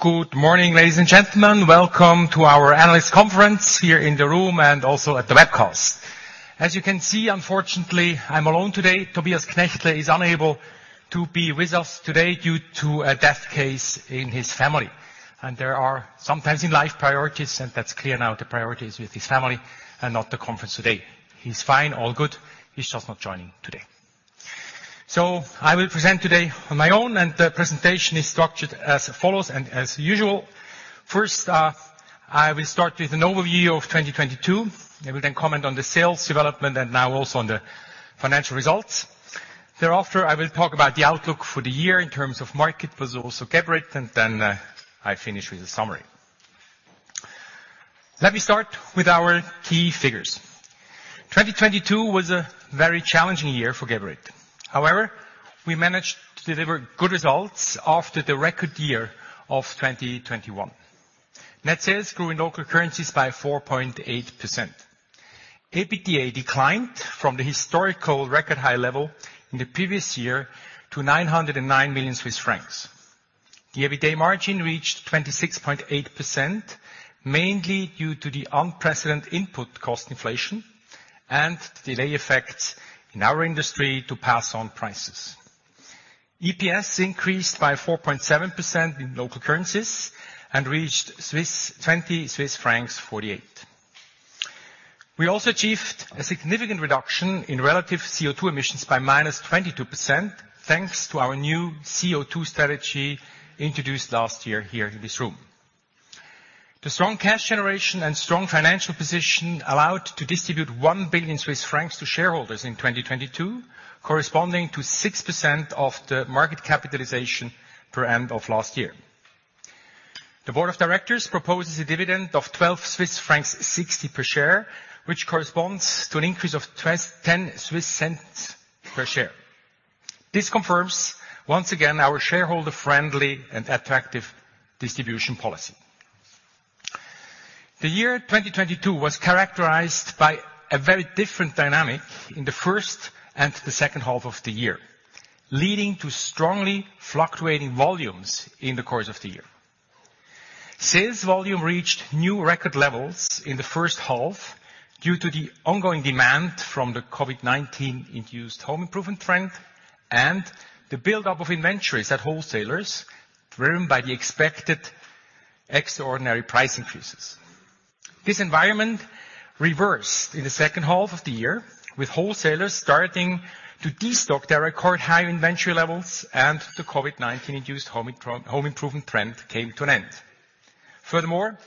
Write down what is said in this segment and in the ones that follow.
Good morning, ladies and gentlemen. Welcome to our analyst conference here in the room and also at the webcast. As you can see, unfortunately, I'm alone today. Tobias Knechtle is unable to be with us today due to a death case in his family. There are sometimes in life priorities, and that's clear now the priority is with his family and not the conference today. He's fine, all good. He's just not joining today. I will present tday on my own, and the presentation is structured as follows and as usual. First, I will start with an overview of 2022. I will then comment on the sales development and now also on the financial results. Thereafter, I will talk about the outlook for the year in terms of market, but also Geberit, and then, I finish with a summary. Let me start with our key figures. 2022 was a very challenging year for Geberit. However, we managed to deli ver good results after the record year of 2021. Net sales grew in local currencies by 4.8%. EBITDA declined from the historical record high level in the previous year to 909 million Swiss francs. The EBITDA margin reached 26.8%, mainly due to the unprecedented input cost inflation and the delay effects in our industry to pass on prices. EPS increased by 4.7% in local currencies and reached 20.48 Swiss francs. We also achieved a significant reduction in relative CO₂ emissions by -22%, thanks to our new CO₂ strategy introduced last year here in this room. The strong cash generation and strong financial position allowed to distribute 1 billion Swiss francs to shareholders in 2022, corresponding to 6% of the market capitalization per end of last year. The board of directors proposes a dividend of 12.60 Swiss francs per share, which corresponds to an increase of 0.10 per share. This confirms once again our shareholder friendly and attractive distribution policy. The year 2022 was characterized by a very different dynamic in the first and the second half of the year, leading to strongly fluctuating volumes in the course of the year. Sales volume reached new record levels in the first half due to the ongoing demand from the COVID-19 induced home improvement trend and the buildup of inventories at wholesalers driven by the expected extraordinary price increases. This environment reversed in the second half of the year, with wholesalers starting to de-stock their record high inventory levels and the COVID-19 induced home improvement trend came to an end.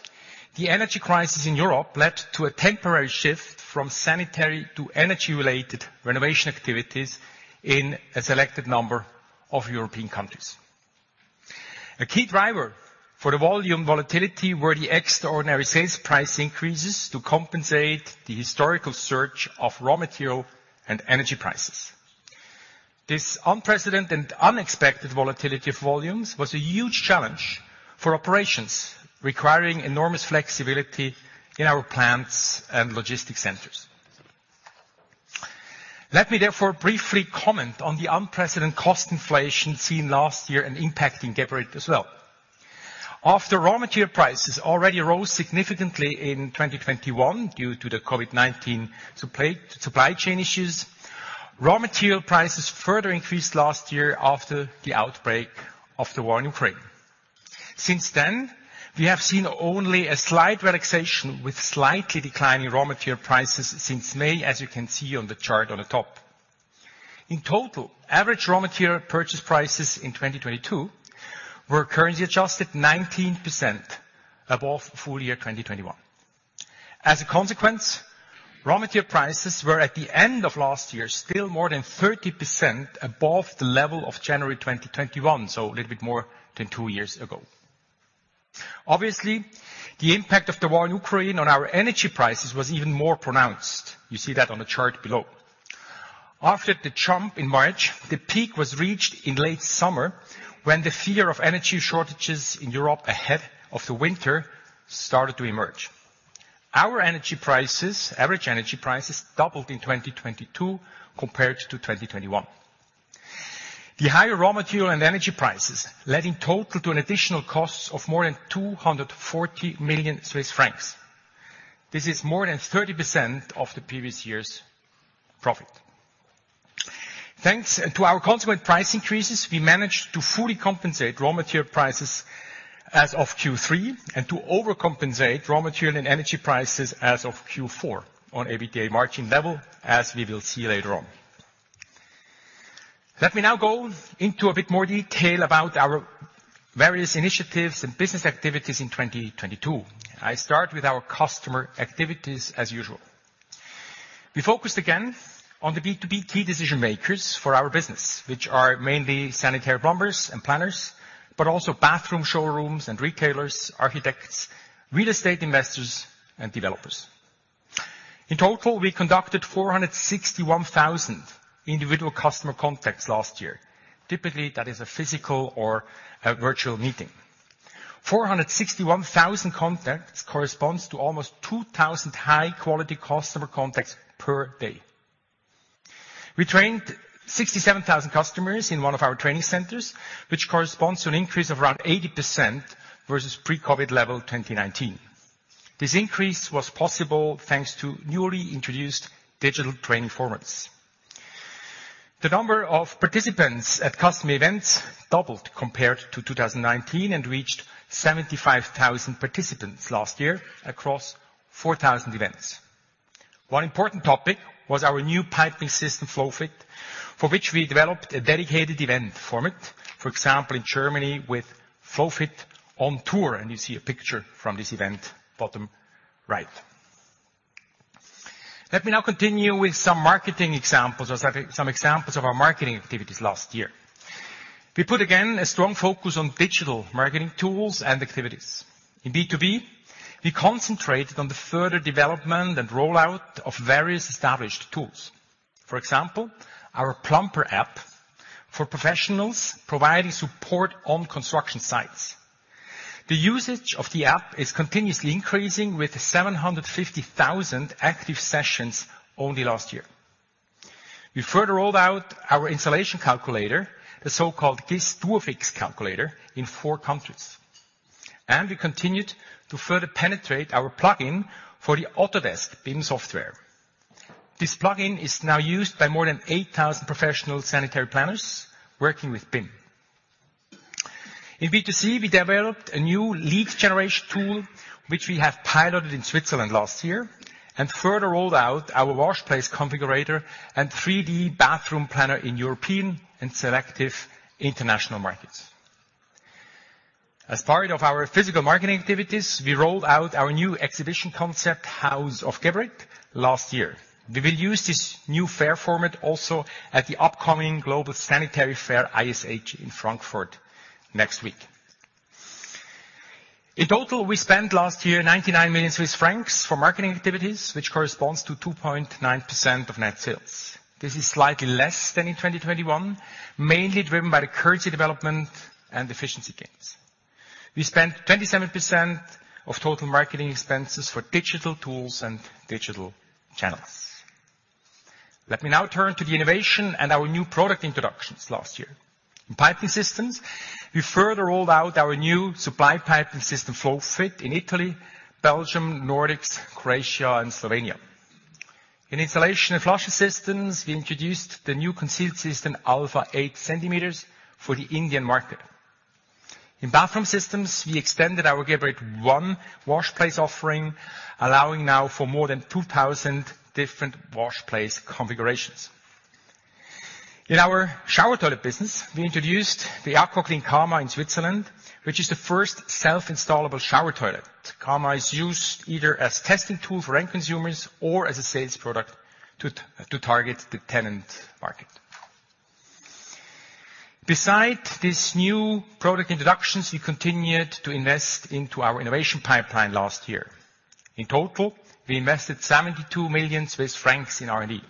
The energy crisis in Europe led to a temporary shift from sanitary to energy-related renovation activities in a selected number of European countries. A key driver for the volume volatility were the extraordinary sales price increases to compensate the historical surge of raw material and energy prices. This unprecedented and unexpected volatility of volumes was a huge challenge for operations, requiring enormous flexibility in our plants and logistics centers. Let me therefore briefly comment on the unprecedented cost inflation seen last year and impacting Geberit as well. After raw material prices already rose significantly in 2021 due to the COVID-19 supply chain issues, raw material prices further increased last year after the outbreak of the war in Ukraine. Since then, we have seen only a slight relaxation with slightly declining raw material prices since May, as you can see on the chart on the top. In total, average raw material purchase prices in 2022 were currency-adjusted 19% above full year 2021. As a consequence, raw material prices were at the end of last year, still more than 30% above the level of January 2021, so a little bit more than two years ago. Obviously, the impact of the war in Ukraine on our energy prices was even more pronounced. You see that on the chart below. After the jump in March, the peak was reached in late summer, when the fear of energy shortages in Europe ahead of the winter started to emerge. Our energy prices, average energy prices doubled in 2022 compared to 2021. The higher raw material and energy prices led in total to an additional cost of more than 240 million Swiss francs. This is more than 30% of the previous year's profit. Thanks to our consequent price increases, we managed to fully compensate raw material prices as of Q3 and to overcompensate raw material and energy pric es as of Q4 on EBITDA margin level, as we will see later on. Let me now go into a bit more detail about our various initiatives and business activities in 2022. I start with our customer activities as usual. We focused again on the B2B key decision makers for our business, which are mainly sanitary plumbers and planners, but also bathroom showrooms and retailers, architects, real estate investors and developers. In total, we conducted 461,000 individual customer contacts last year. Typically, that is a physical or a virtual meeting. 461,000 contacts corresponds to almost 2,000 high quality customer contacts per day. We trained 67,000 customers in one of our training centers, which corresponds to an increase of around 80% versus pre-COVID-19 level 2019. This increase was possible thanks to newly introduced digital training formats. The number of participants at customer events doubled compared to 2019 and reached 75,000 participants last year across 4,000 events. One important topic was our new piping system, FlowFit, for which we developed a dedicated event format, for example, in Germany with FlowFit on Tour, and you see a picture from this event bottom right. Let me now continue with some examples of our marketing activities last year. We put again a strong focus on digital marketing tools and activities. In B2B, we concentrated on the further development and rollout of various established tools. For example, our plumber app for professionals providing support on construction sites. The usage of the app is continuously increasing with 750,000 active sessions only last year. We further rolled out our installation calculator, the so-called GIS Duofix Calculator in four countries, and we continued to further penetrate our plugin for the Autodesk BIM software. This plug-in is now used by more than 8,000 professional sanitary planners working with BIM. In B2C, we developed a new lead generation tool which we have piloted in Switzerland last year and further rolled out our wash place configurator and 3-D bathroom planner in European and selective international markets. As part of our physical marketing activities, we rolled out our new exhibition concept, House of Geberit, last year. We will use this new fair format also at the upcoming Global Sanitary Fair, ISH, in Frankfurt next week. In total, we spent last year 99 million Swiss francs for marketing activities, which corresponds to 2.9% of net sales. This is slightly less than in 2021, mainly driven by the currency development and efficiency gains. We spent 27% of total marketing expenses for digital tools and digital channels. Let me now turn to the innovation and our new product introductions last year. In piping systems, we further rolled out our new supply piping system, FlowFit, in Italy, Belgium, Nordics, Croatia, and Slovenia. In installation and flushing systems, we introduced the new concealed system, Alpha 8 centimeters, for the Indian market. In bathroom systems, we extended our Geberit ONE wash place offering, allowing now for more than 2,000 different wash place configurations. In our shower toilet business, we introduced the AquaClean Cama in Switzerland, which is the first self-installable shower toilet. Cama is used either as testing tool for end consumers or as a sales product to target the tenant market. Besides these new product introductions, we continued to invest into our innovation pipeline last year. In total, we invested 72 million Swiss francs in R&D.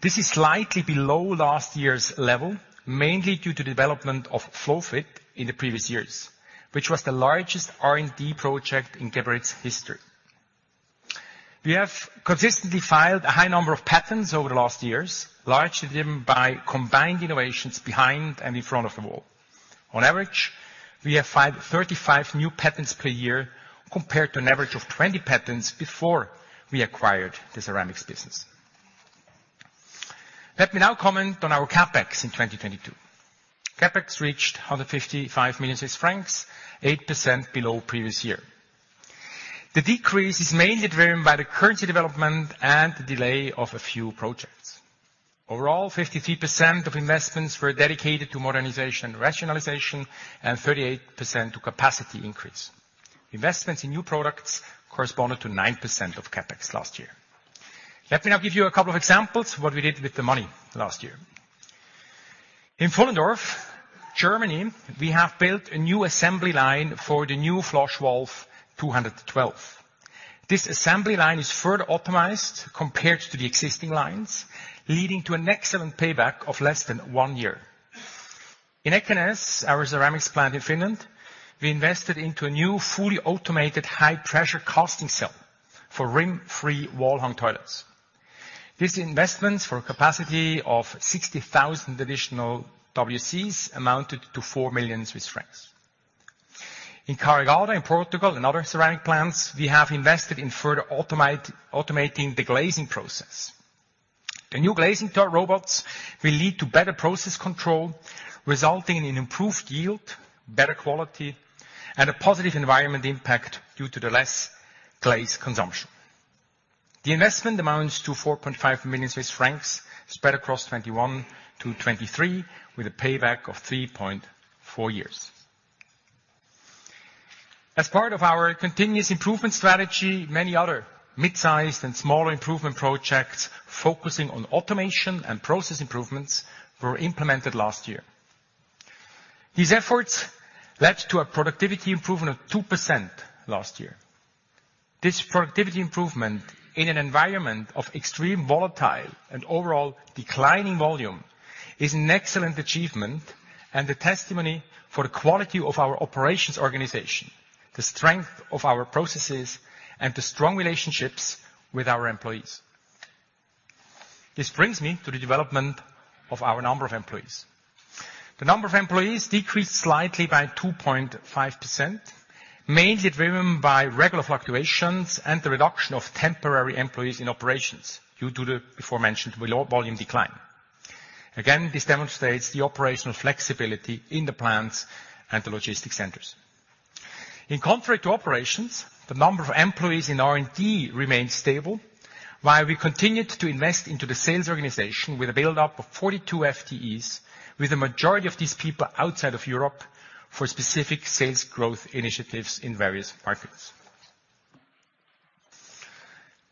This is slightly below last year's level, mainly due to development of FlowFit in the previous years, which was the largest R&D project in Geberit's history. We have consistently filed a high number of patents over the last years, largely driven by combined innovations behind and in front of the wall. On average, we have filed 35 new patents per year compared to an average of 20 patents before we acquired the ceramics business. Let me now comment on our CapEx in 2022. CapEx reached 155 million Swiss francs, 8% below previous year. The decrease is mainly driven by the currency development and the delay of a few projects. Overall, 53% of investments were dedicated to modernization and rationalization and 38% to capacity increase. Investments in new products corresponded to 9% of CapEx last year. Let me now give you a couple of examples what we did with the money last year. In Pfullendorf, Germany, we have built a new assembly line for the new flush valve Type 212. This assembly line is further optimized compared to the existing lines, leading to an excellent payback of less than one year. In Ekenäs, our ceramics plant in Finland, we invested into a new fully automated high-pressure casting cell for rim-free wall-hung toilets. These investments for a capacity of 60,000 additional WCs amounted to 4 million Swiss francs. In Carregado, in Portugal, and other ceramic plants, we have invested in further automating the glazing process. The new glazing tower robots will lead to better process control, resulting in improved yield, better quality, and a positive environment impact due to the less glaze consumption. The investment amounts to 4.5 million Swiss francs spread across 2021-2023 with a payback of 3.4 years. As part of our continuous improvement strategy, many other mid-sized and smaller improvement projects focusing on automation and process improvements were implemented last year. These efforts led to a productivity improvement of 2% last year. This productivity improvement in an environment of extreme volatile and overall declining volume is an excellent achievement and a testimony for the quality of our operations organization, the strength of our processes, and the strong relationships with our employees. This brings me to the development of our number of employees. The number of employees decreased slightly by 2.5%, mainly driven by regular fluctuations and the reduction of temporary employees in operations due to the beforementioned low volume decline. This demonstrates the operational flexibility in the plants and the logistics centers. In contrary to operations, the umber of employees in R&D remains stable, while we continued to invest into the sales organization with a buildup of 42 FTEs, with the majority of these people outside of Europe for specific sales growth initiatives in various markets.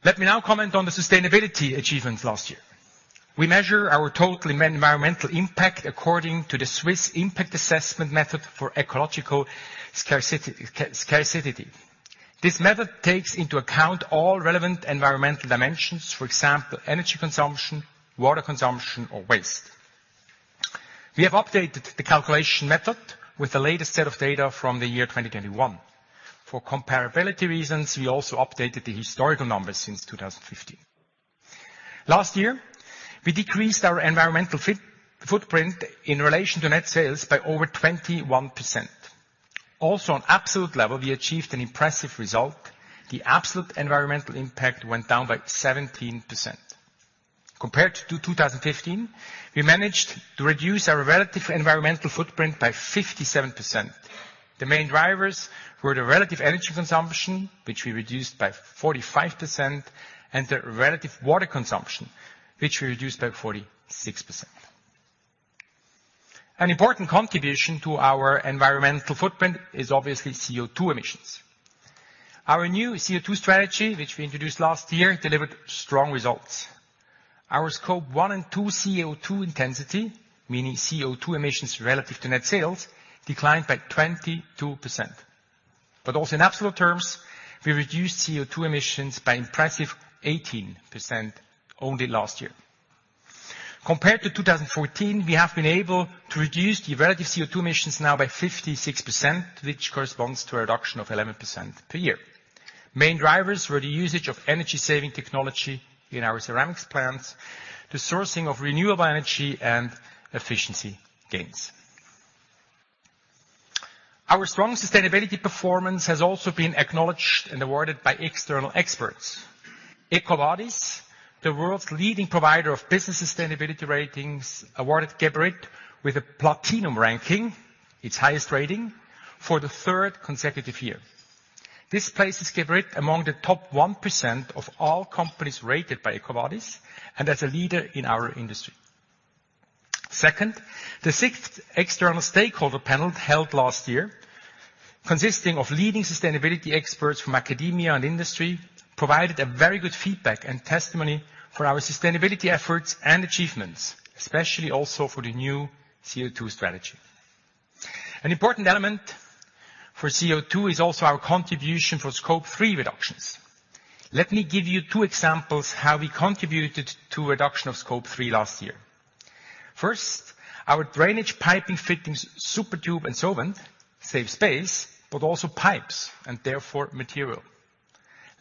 Let me now comment on the sustainability achievements last year. We measure our total environmental impact according to the Swiss Impact Assessment Method for Ecological Scarcity. This method takes into account all relevant environmental dimensions, for example, energy consumption, water consumption, or waste. We have updated the calculation method with the latest set of data from the year 2021. For comparability reasons, we also updated the historical numbers since 2015. Last year, we decreased our enviromental footprint in relation to net sales by over 21%. On absolute level, we achieved an impressive result. The absolute environmental impact went down by 17%. Compared to 2015, we managed to reduce our relative environmental footprint by 57%. The main drivers were the relative energy consumption, which we reduced by 45%, and the relative water consumption, which we reduced by 46%. An important contribution to our environmental footprint is obviously CO₂ emissions. Our new CO₂ strategy, which we introduced last year, delivered strong results. Our Scope 1 and 2 CO₂ intensity, meaning CO₂ emissions relative to net sales, declined by 22%. Also in absolute terms, we reduced CO₂ emissions by impressive 18% only last year. Compared to 2014, we have been able to reduce the relative CO₂ emissions now by 56%, which corresponds to a reduction of 11% per year. Main drivers were the usage of energy-saving technology in our ceramics plants, the sourcing of renewable energy, and efficiency gains. Our strong sustainability performance has also been acknowledged and awarded by external experts. EcoVadis, the world's leading provider of business sustainability ratings, awarded Geberit with a platinum ranking, its highest rating, for the third consecutive year. This places Geberit among the top one percent of all companies rated by EcoVadis and as a leader in our industry. Second, the sixth external stakeholder panel held last year, consisting of leading sustainability experts from academia and industry, provided a very good feedback and testimony for our sustainability efforts and achievements, especially also for the new CO₂ strategy. An important element for CO₂ is also our contribution for Scope 3 reductions. Let me give you two examples how we contributed to reduction of Scope 3 last year. First, our drainage piping fittings, SuperTube and Sovent, save space, but also pipes, and therefore material.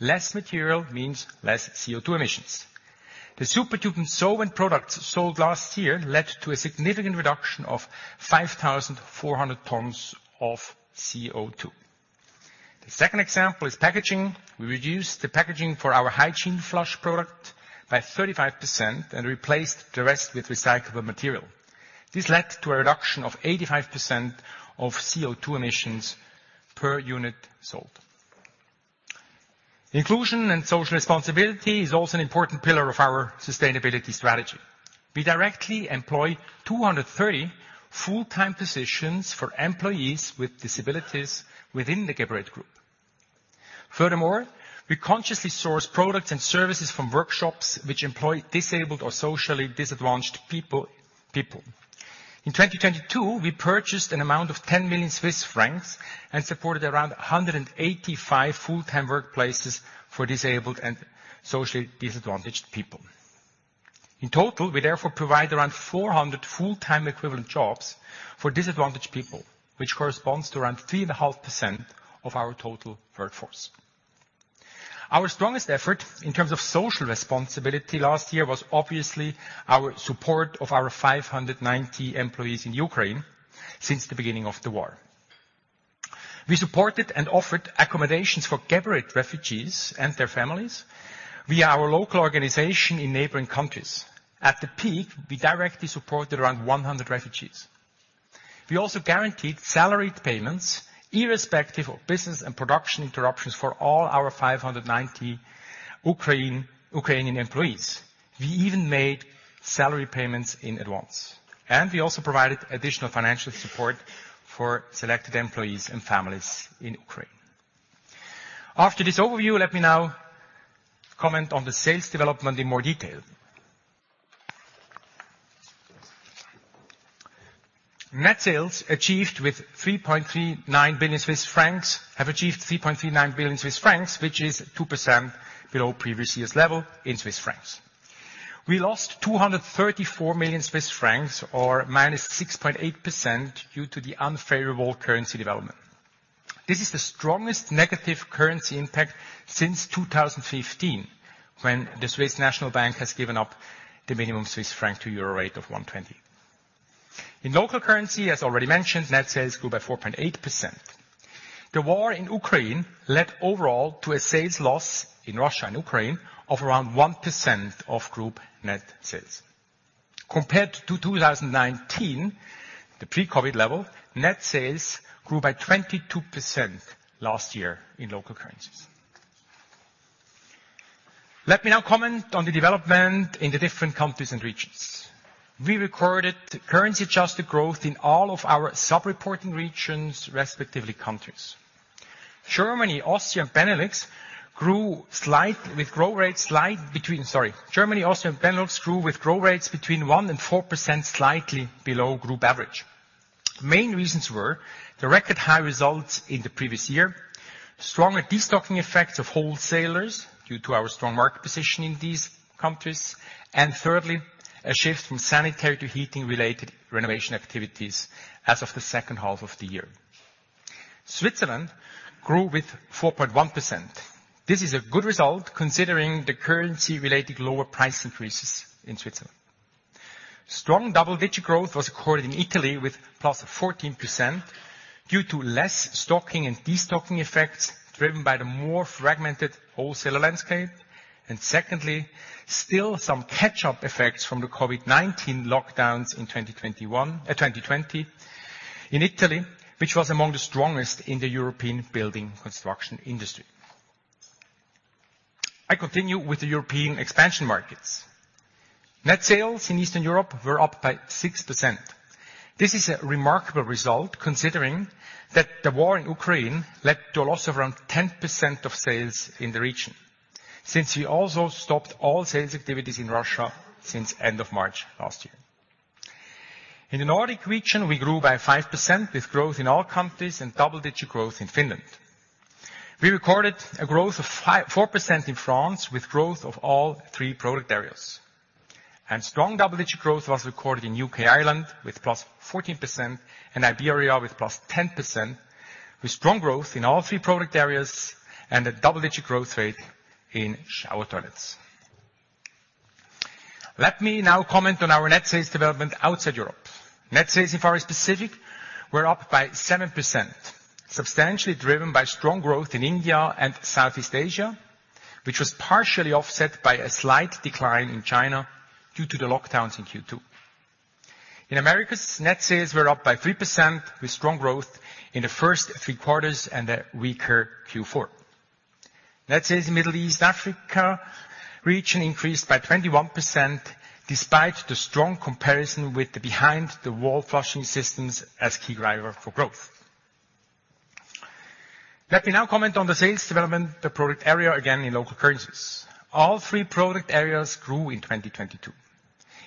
Less material means less CO₂ emissions. The SuperTube and Sovent products sold last year led to a significant reduction of 5,400 tons of CO₂. The second example is packaging. We reduced the packaging for our hygiene flush product by 35% and replaced the rest with recyclable material. This le to a reduction of 85% of CO₂ emissions per unit sold. Inclusion and social responsibility is also an important pillar of our sustainability strategy. We directly employ 230 full-time positions for employees with disabilities within the Geberit Group. Furthermore, we consciously source products and services from workshops which employ disabled or socially disadvantaged people. In 2022, we purchased an amount of 10 million Swiss francs and supported around 185 full-time workplaces for disabled and socially disadvantaged people. In total, we therefore provide around 400 full-time equivalent jobs for disadvantaged people, which corresponds to around 3.5% of our total workforce. Our strongest effort in terms of social responsibility last year was obviously our support of our 590 employees in Ukraine since the beginning of the war. We supported and offered accommodations for Geberit refugees and their families via our local organization in neighboring countries. At the peak, we directly supported around 100 refugees. We also guaranteed salary payments irrespective of business and production interruptions for all our 590 Ukrainian employees. We even made salary payments in advance. We also provided additional financial support for selected employees and families in Ukraine. After this overview, let me now comment on the sales development in more detail. Net sales achieved with CHF 3.39 billion, which is 2% below previous year's level in CHF. We lost 234 million Swiss francs or -6.8% due to the unfavorable currency development. This is the strongest negative currency impact since 2015, when the Swiss National Bank has given up the minimum CHF to EUR rate of 1.20. In local currency, as already mentioned, net sales grew by 4.8%. The war in Ukraine led overall to a sales loss in Russia and Ukraine of around 1% of group net sales. Compared to 2019, the pre-COVID level, net sales grew by 22% last year in local currencies. Let me now comment on the development in the different countries and regions. We recorded currency-adjusted growth in all of our sub-reporting regions, respectively countries. Germany, Austria, and Benelux grew with growth rates between 1% and 4% slightly below group average. Main reasons were the record high results in the previous year, stronger destocking effects of wholesalers due to our strong market position in these countries, and thirdly, a shift from sanitary to heating-related renovation activities as of the second half of the year. Switzerland grew with 4.1%. This is a good result, considering the currency-related lower price increases in Switzerland. Strong double-digit growth was recorded in Italy with +14% due to less stocking and destocking effects driven by the more fragmented wholesaler landscape, and secondly, still some catch-up effects from the COVID-19 lockdowns in 2020 in Italy, which was among the strongest in the European building construction industry. I continue with the European expansion markets. Net sales in Eastern Europe were up by 6%. This is a remarkable result considering that the war in Ukraine led to a loss of around 10% of sales in the region, since we also stopped all sales activities in Russia since end of March last year. In the Nordic region, we grew by 5% with growth in all countries and double-digit growth in Finland. We recorded a growth of 4% in France with growth of all three product areas. Strong double-digit growth was recorded in U.K., Ireland with +14% and Iberia with +10%, with strong growth in all three product areas and a double-digit growth rate in shower toilets. Let me now comment on our net sales development outside Europe. Net sales in Far East Pacific were up by 7%, substantially driven by strong growth in India and Southeast Asia, which was partially offset by a slight decline in China due to the lockdowns in Q2. In Americas, net sales were up by 3% with strong growth in the first three quarters and a weaker Q4. Net sales in Middle East, Africa region increased by 21% despite the strong comparison with the behind-the-wall flushing systems as key driver for growth. Let me now comment on the sales development, the product area again in local currencies. All three product areas grew in 2022.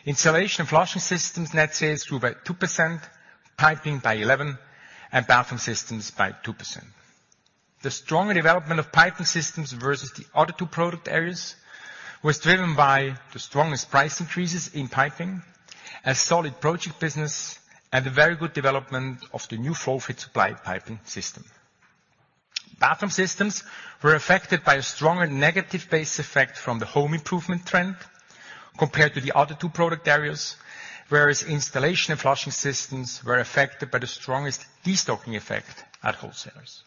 Installation and flushing systems net sales grew by 2%, piping by 11%, and bathroom systems by 2%. The stronger development of piping systems versus the other two product areas was driven by the strongest price increases in piping, a solid project business, and the very good development of the new FlowFit supply piping system. Bathroom systems were affected by a stronger negative base effect from the home improvement trend compared to the other two product areas, whereas installation and flushing systems were affected by the strongest destocking effect at wholesalers.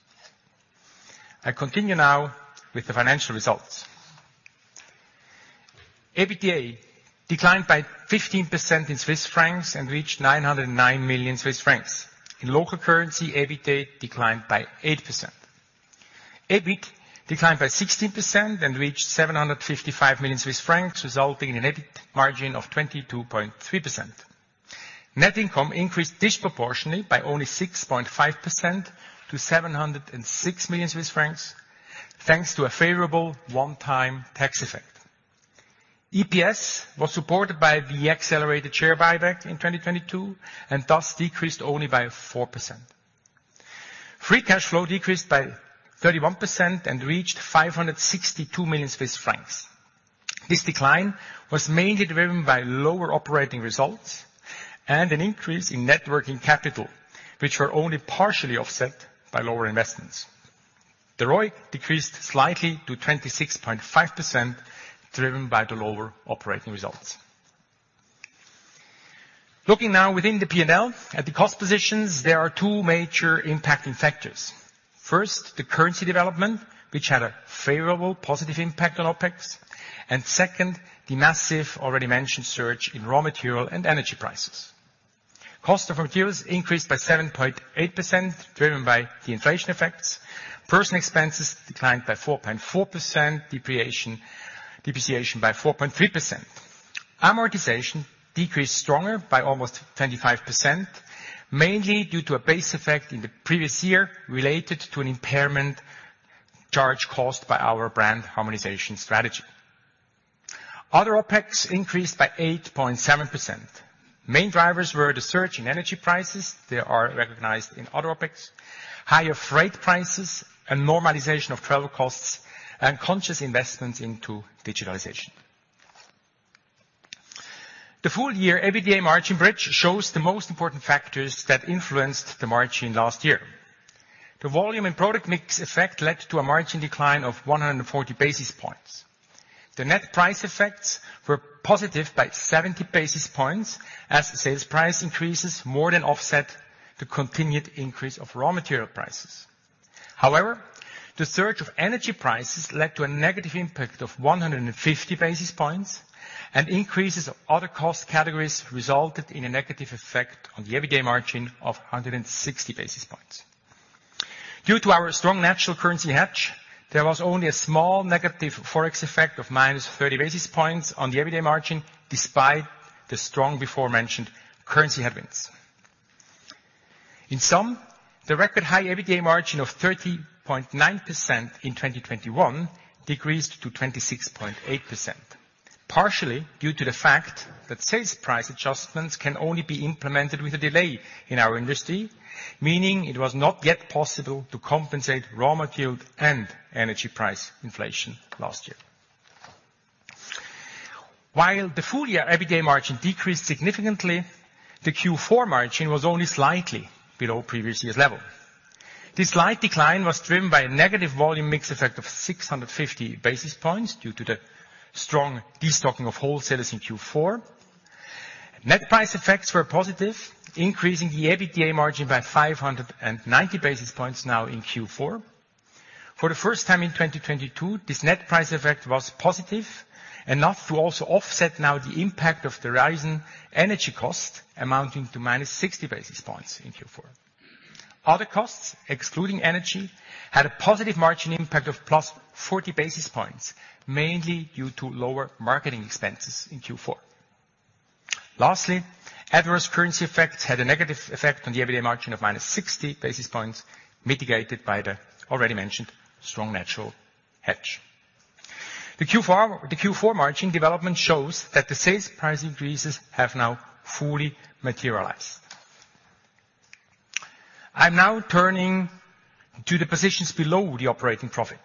I continue now with the financial results. EBITDA declined by 15% in Swiss francs and reached 909 million Swiss francs. In local currency, EBITDA declined by 8%. EBIT declined by 16% and reached 755 million Swiss francs, resulting in an EBIT margin of 22.3%. Net income increased disproportionately by only 6.5% to 706 million Swiss francs, thanks to a favorable one-time tax effect. EPS was supported by the accelerated share buyback in 2022, and thus decreased only by 4%. Free cash flow decreased by 31% and reached 562 million Swiss francs. This decline was mainly driven by lower operating results and an increase in net working capital, which were only partially offset by lower investments. The ROIC decreased slightly to 26.5%, driven by the lower operating results. Looking now within the P&L at the cost positions, there are two major impacting factors. The currency development, which had a favorable positive impact on OpEx, and second, the massive already mentioned surge in raw material and energy prices. Cost of materials increased by 7.8%, driven by the inflation effects. Personnel expenses declined by 4.4%, depreciation by 4.3%. Amortization decreased stronger by almost 25%, mainly due to a base effect in the previous year related to an impairment charge caused by our brand harmonization strategy. Other OpEx increased by 8.7%. Main drivers were the surge in energy prices. They are recognized in other OpEx, higher freight prices and normalization of travel costs and conscious investments into digitalization. The full year EBITDA margin bridge shows the most important factors that influenced the margin last year. The volume and product mix effect led to a margin decline of 140 basis points. The net price effects were positive by 70 basis points as sales price increases more than offset the continued increase of raw material prices. The surge of energy prices led to a negative impact of 150 basis points, and increases other cost categories resulted in a negative effect on the EBITDA margin of 160 basis points. Due to our strong natural currency hedge, there was only a small negative Forex effect of -30 basis points on the EBITDA margin despite the strong before mentioned currency headwinds. The record high EBITDA margin of 30.9% in 2021 decreased to 26.8%, partially due to the fact that sales price adjustments can only be implemented with a delay in our industry, meaning it was not yet possible to compensate raw material and energy price inflation last year. While the full year EBITDA margin decreased significantly, the Q4 margin was only slightly below previous year's level. This slight decline was driven by a negative volume mix effect of 650 basis points due to the strong destocking of wholesalers in Q4. Net price effects were positive, increasing the EBITDA margin by 590 basis points now in Q4. For the first time in 2022, this net price effect was positive, enough to also offset now the impact of the rising energy cost amounting to -60 basis points in Q4. Other costs, excluding energy, had a positive margin impact of +40 basis points, mainly due to lower marketing expenses in Q4. Adverse currency effects had a negative effect on the EBITDA margin of -60 basis points, mitigated by the already mentioned strong natural hedge. The Q4 margin development shows that the sales price increases have now fully materialized. I am now turning to the positions below the operating profit.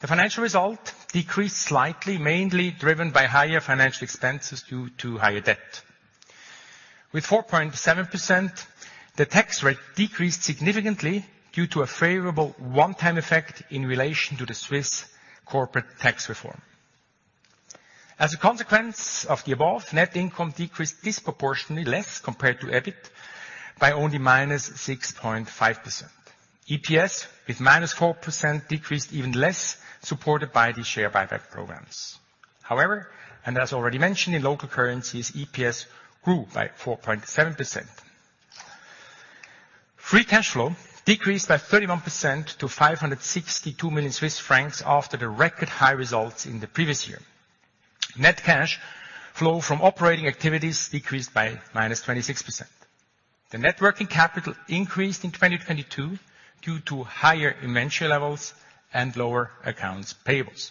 The financial result decreased slightly, mainly driven by higher financial expenses due to higher debt. With 4.7%, the tax rate decreased significantly due to a favorable one-time effect in relation to the Swiss corporate tax reform. As a consequence of the above, net income decreased disproportionately less compared to EBIT by only -6.5%. EPS with -4% decreased even less, supported by the share buyback programs. As already mentioned in local currencies, EPS grew by 4.7%. Free cash flow decreased by 31% to 562 million Swiss francs after the record high results in the previous year. Net cash flow from operating activities decreased by -26%. The net working capital increased in 2022 due to higher inventory levels and lower accounts payables.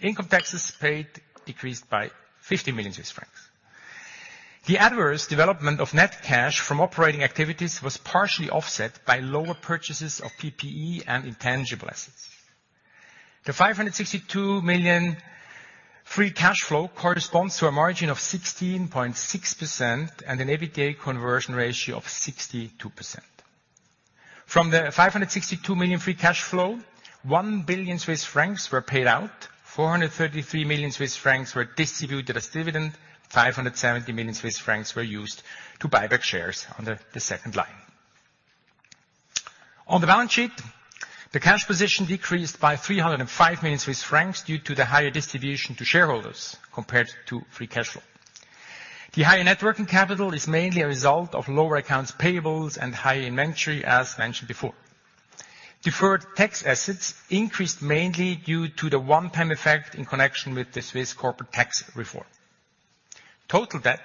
Income taxes paid decreased by 50 million Swiss francs. The adverse development of net cash from operating activities was partially offset by lower purchases of PPE and intangible assets. The 562 million free cash flow corresponds to a margin of 16.6% and an EBITDA conversion ratio of 62%. From the 562 million free cash flow, 1 billion Swiss francs were paid out, 433 million Swiss francs were distributed as dividend, 570 million Swiss francs were used to buy back shares on the second line. On the balance sheet, the cash position decreased by 305 million Swiss francs due to the higher distribution to shareholders compared to free cash flow. The higher net working capital is mainly a result of lower accounts payables and higher inventory, as mentioned before. Deferred tax assets increased mainly due to the one-time effect in connection with the Swiss corporate tax reform. Total debt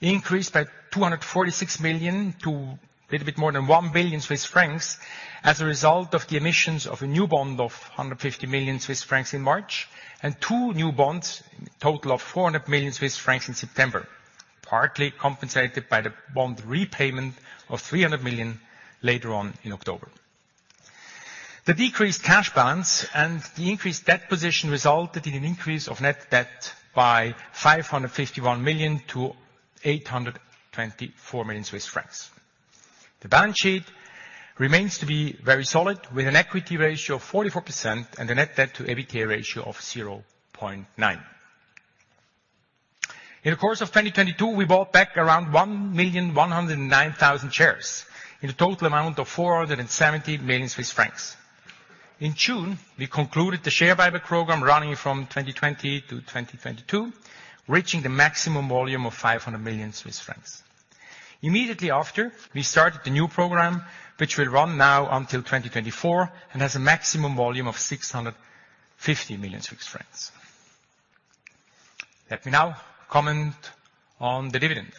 increased by 246 million to a little bit more than 1 billion Swiss francs as a result of the emissions of a new bond of 150 million Swiss francs in March and 2 new bonds, a total of 400 million Swiss francs in September, partly compensated by the bond repayment of 300 million later on in October. The decreased cash balance and the increased debt position resulted in an increase of net debt by 551 million to 824 million Swiss francs. The balance sheet remains to be very solid, with an equity ratio of 44% and a net debt to EBITDA ratio of 0.9. In the course of 2022, we bought back around 1,109,000 shares in a total amount of 470 million Swiss francs. In June, we concluded the share buyback program running from 2020 to 2022, reaching the maximum volume of 500 million Swiss francs. Immediately after, we started the new program, which will run now until 2024 and has a maximum volume of 650 million Swiss francs. Let me now comment on the dividend.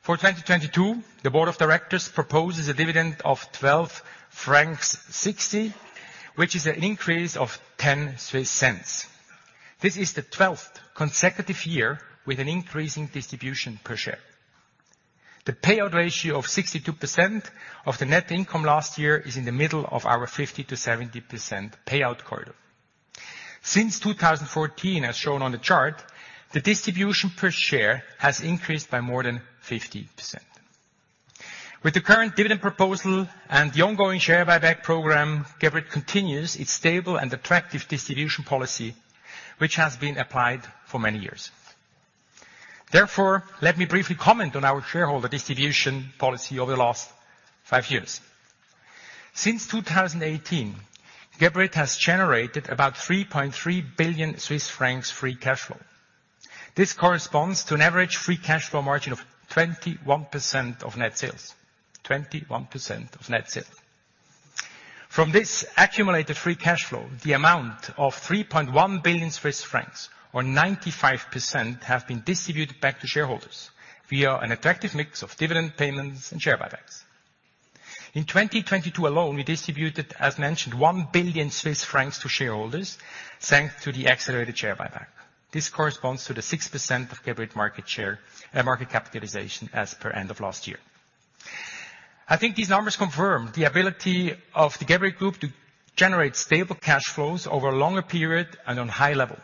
For 2022, the board of directors proposes a dividend of 12.60 francs, which is an increase of 0.10. This is the 12th consecutive year with an increasing distribution per share. The payout ratio of 62% of the net income last year is in the middle of our 50%-70% payout corridor. Since 2014, as shown on the chart, the distribution per share has increased by more than 50%. With the current dividend proposal and the ongoing share buyback program, Geberit continues its stable and attractive distribution policy, which has been applied for many years. Therefore, let me briefly comment on our shareholder distribution policy over the last 5 years. Since 2018, Geberit has generated about 3.3 billion Swiss francs free cash flow. This corresponds to an average free cash flow margin of 21% of net sales. 21% of net sales. From this accumulated free cash flow, the amount of 3.1 billion Swiss francs or 95% have been distributed back to shareholders via an attractive mix of dividend payments and share buybacks. In 2022 alone, we distributed, as mentioned, 1 billion Swiss francs to shareholders, thanks to the accelerated share buyback. This corresponds to the 6% of Geberit market share and market capitalization as per end of last year. I think these numbers confirm the ability of the Geberit Group to generate stable cash flows over a longer period and on high level,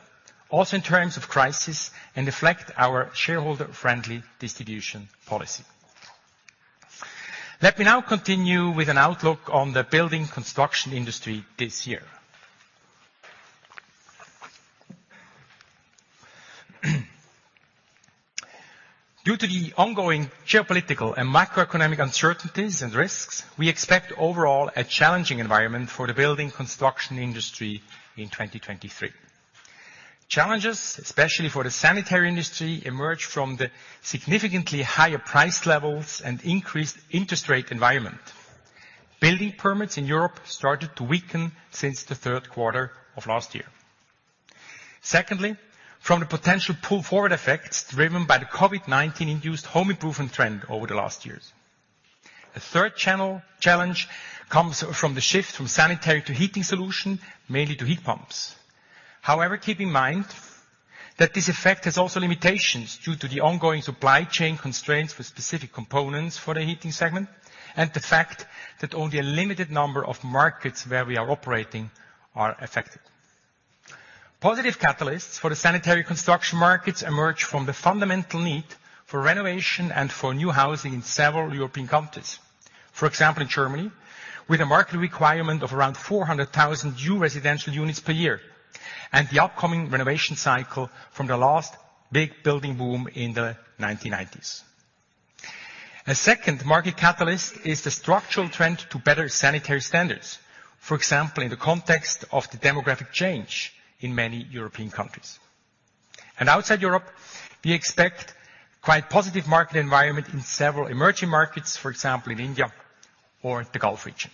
also in terms of crisis, and reflect our shareholder-friendly distribution policy. Let me now continue with an outlook on the building construction industry this year. Due to the ongoing geopolitical and macroeconomic uncertainties and risks, we expect overall a challenging environment for the building construction industry in 2023. Challenges, especially for the sanitary industry, emerge from the significantly higher price levels and increased interest rate environment. Building permits in Europe started to weaken since the third quarter of last year. Secondly, from the potential pull-forward ffects driven by the COVID-19 induced home improvement trend over the last years. The third challenge comes from the shift from sanitary to heating solution, mainly to heat pumps. However, keep in mind that this effect has also limitations due to the ongoing supply chain constraints with specific components for the heating segment, and the fact that only a limited number of markets where we are operating are affected. Positive catalysts for the sanitary construction markets emerge from the fundamental need for renovation and for new housing in several European countries. For example, in Germany, with a market requirement of around 400,000 new residential units per year, and the upcoming renovation cycle from the last big building boom in the 1990s. A seond market catalyst is the structural trend to better sanitary standards. For example, in the context of the demographic change in many European countries. Outside Europe, we expect quite positive market environment in several emerging markets, for example, in India or the Gulf region.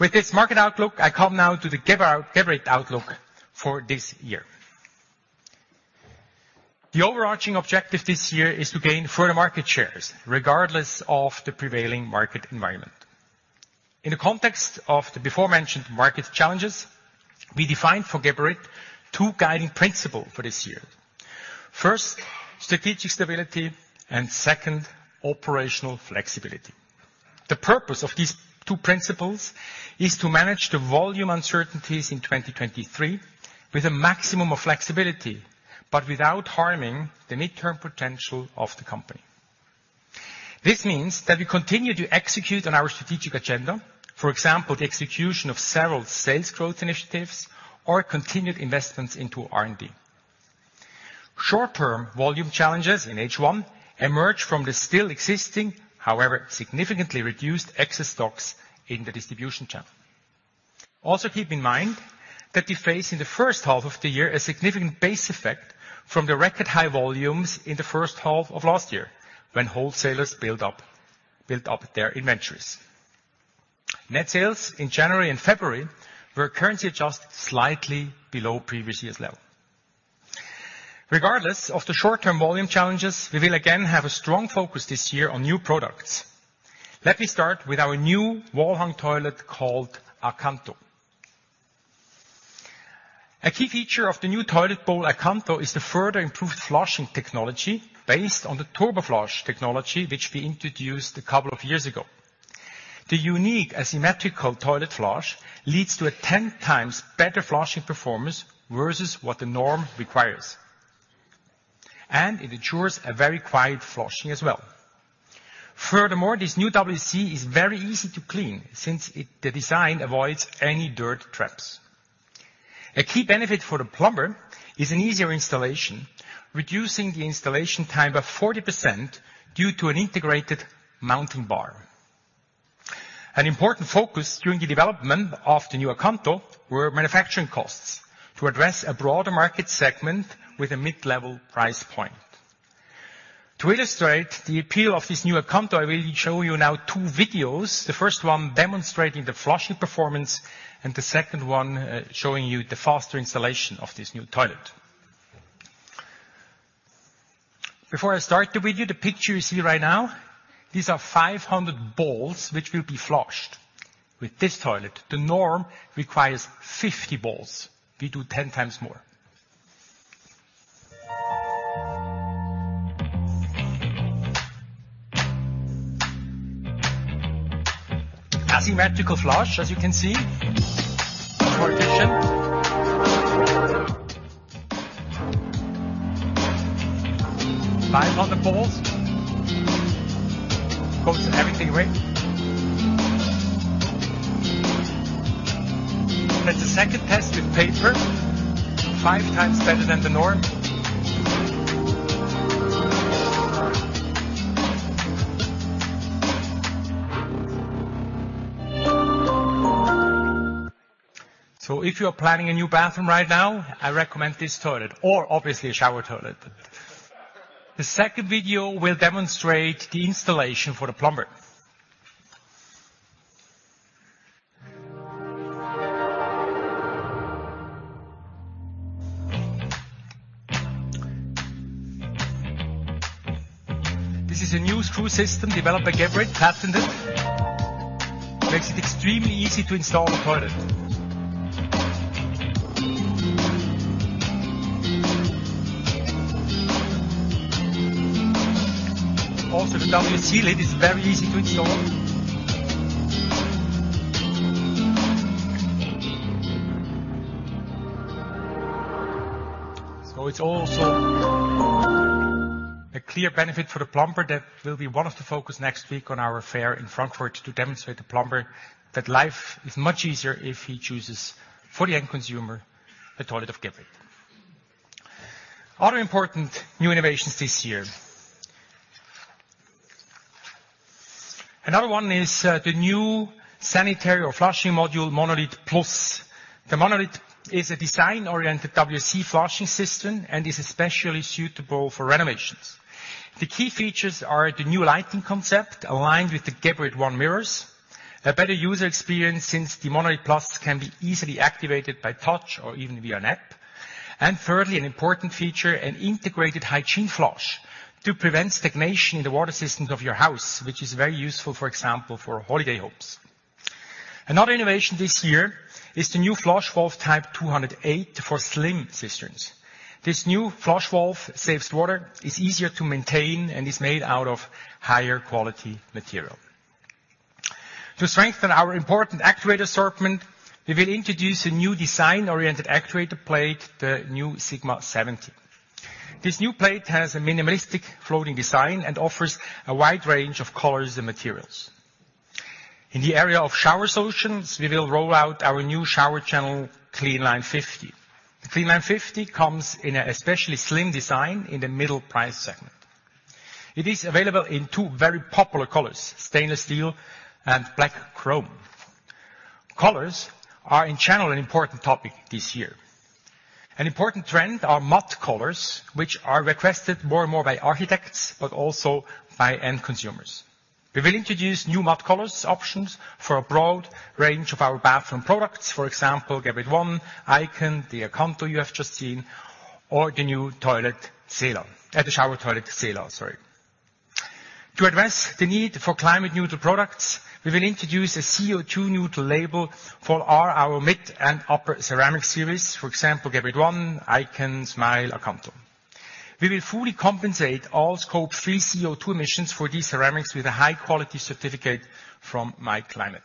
With this market outlook, I come now to the Geberit outlook for this year. The overarching objective this year is to gain further market shares, regardless of the prevailing market environment. In the context of the befo rementioned market challenges, we defined for Geberit two guiding principle for this year. First, strategic stability, and second, operational flexibility. The purpose of these two principles is to manage the volume uncertainties in 2023 with a maximum of flexibility, but without harming the midterm potential of the company. This means that we continue to execute on our strategic agenda, for example, the execution of several sales growth initiatives or continued investments into R&D. Short-term volume challenges in H1 emerge from the still existing, however, significantly reduced excess stocks in the distribution channel. Keep in mind that we face, in the 1st half of the year, a significant base effect from the record high volumes in the 1st half of last year, when wholesalers build up their inventories. Net sales in January and February were currently adjusted slightly below previous year's level. Regardless of the short-term volume challenges, we will again have a strong focus this year on new products. Let me start with our new wall-hung toilet called Acanto. A key feature of the new toilet bowl, Acanto, is the further improved flushing technology based on the TurboFlush technology, which we introduced 2 years ago. The unique asymmetrical toilet flush leads to a 10 times better flushing performance versus what the norm requires. It ensures a very quiet flushing as well. Furthermore, this new WC is very easy to clean since the design avoids any dirt traps. A key benefit for the plumber is an easier installation, reducing the installation time by 40% due to an integrated mounting bar. An important focus during the development of the new Acanto were manufacturing costs to address a broader market segment with a mid-level price point. To illustrate the appeal of this new Acanto, I will show you now 2 videos, the first one demonstrating the flushing performance and the second one showing you the faster installation of this new toilet. Before I start the video, the picture you see right now, these are 500 balls which will be flushed with this toilet. The norm requires 50 balls. We do 10 times more. Asymmetrical flush, as you can see for efficiency. 500 balls. Flushes everything away. The second test with paper, 5 times better than the norm. If you are planning a new bathroom right now, I recommend this toilet or obviously a shower toilet. The second video will demonstrate the installation for the plumber. This is a new screw system developed by Geberit, patented. Makes it extremely easy to install the toilet. Also, without the seal it is very easy to install. It's also a clear benefit for the plumber. That will be one of the focus next week on our fair in Frankfurt, to demonstrate to the plumber that life is much easier if he chooses for the end consumer, the toilet of Geberit. Other important new innovations this year. Another one is the new sanitary or flushing module Monolith Plus. The Monolith is a design-oriented WC flushing system and is especially suitable for renovations. The key features are the new lighting concept, aligned with the Geberit ONE mirrors. A better user experience, since the Monolith Plus can be easily activated by touch or even via an app. Thirdly, an important feature, an integrated hygiene flush to prevent stagnation in the water system of your house, which is very useful, for example, for holiday homes. Another innovation this year is the new flush valve type 208 for slim cisterns. This new flush valve saves water, is easier to maintain, and is made out of higher quality material. To strengthen our important actuator assortment, we will introduce a new design-oriented actuator plate, the new Sigma70. This new plate has a minimalistic floating design and offers a wide range of colors and materials. In the area of shower solutions, we will roll out our new shower channel, CleanLine50. The CleanLine50 comes in an especially slim design in the middle price segment. It is available in two very popular colors: stainless steel and black chrome. Colors are, in general, an important topic this year. An important trend are matte colors, which are requested more and more by architects, but also by end consumers. We will introduce new matte colors options for a broad range of our bathroom products. For example, Geberit ONE, iCon, the Acanto you have just seen, or the new toilet at the shower toilet Sela, sorry. To address the need for cliate neutral products, we will introduce a CO2 neutral label for our mid and upper ceramic series. For example, Geberit ONE, iCon, Smyle, Acanto. We will fully compensate all Scope 3 CO2 emissions for these ceramics with a high-quality certificate from myclimate.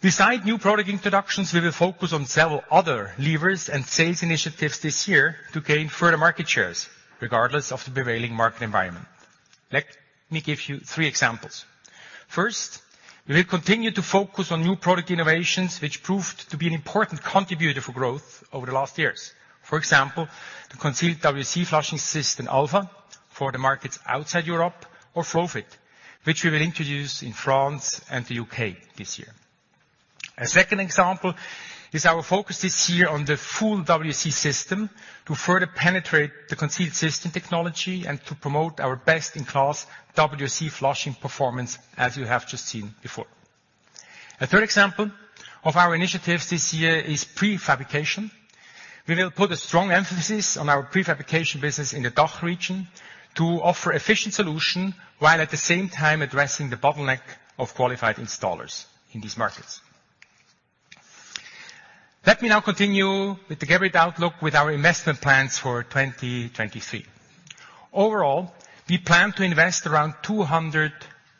Beside new product introductions, we will focus on several other levers and sales initiatives this year to gain further market shares, regardless of the prevailing market environment. Let me give you 3 examples. First, we will continue to focus on new product innovations, which proved to be an important contributor for growth over the last years. For example, the concealed WC flushing system Alpha, for the markets outside Europe, or ProFit, which we will introduce in France and the U.K. this year. A second example is our focus this year on the full WC system to further penetrate the concealed system technology and to promote our best-in-class WC flushing performance, as you have just seen before. A third example of our initiatives this year is prefabrication. We will put a strong emphasis on our prefabrication business in the DACH region to offer efficient solution, while at the same time addressing the bottleneck of qualified installers in these markets. Let me now continue with the Geberit outlook with our investment plans for 2023. Overall, we plan to invest around 200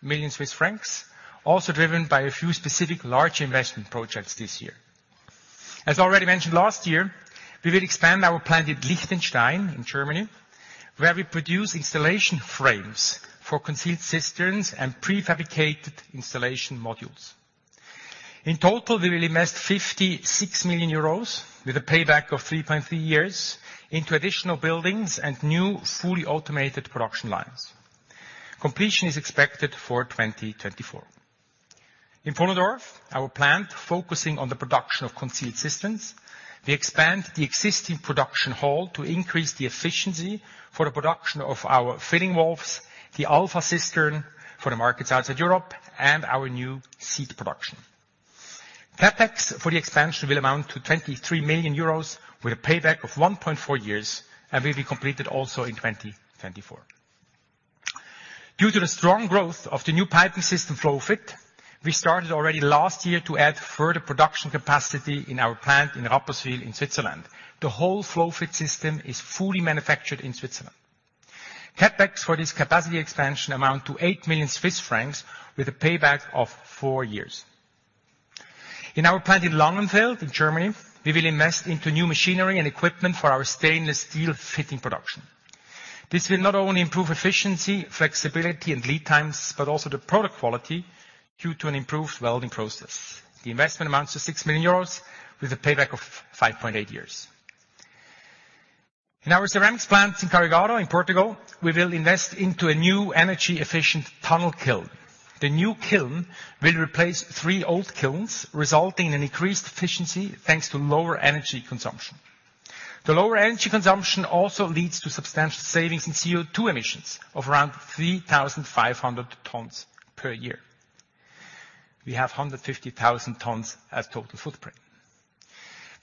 million Swiss francs, also driven by a few specific large investment projects this year. As already mentioned last year, we will expand our plant in Lichtenstein in Germany, where we produce installation frames for concealed cisterns and prefabricated installation modules. In total, we will invest 56 million euros with a payback of 3.3 years into additional buildings and new fully automated production lines. Completion is expected for 2024. In Pfullendorf, our plant focusing on the production of concealed cisterns, we expand the existing production hall to increase the efficiency for the production of our fitting valves, the Alpha cistern for the markets outside Europe, and our new seat production. CapEx for the expansion will amount to 23 million euros with a payback of 1.4 years and will be completed also in 2024. Due to the strong growth of the new piping system FlowFit, we started already last year to add further production capacity in our plant in Rapperswil in Switzerland. The whole FlowFit system is fully manufactured in Switzerland. CapEx for this capacity expansion amount to 8 million Swiss francs with a payback of 4 years. In our plant in Langenfeld in Germany, we will invest into new machinery and equipment for our stainless steel fitting production. This will not only improve efficiency, flexibility and lead times, but also the product quality due to an improved welding process. The investment amounts to 6 million euros with a payback of 5.8 years. In our ceramics plant in Carregado in Portugal, we will invest into a new energy efficient tunnel kiln. The new kiln will replace 3 old kilns, resulting in an increased efficiency, thanks to lower energy consumption. The lower energy consumption also leads to substantial savings in CO2 emissions of around 3,500 tons per year. We have 150,000 tons as total footprint.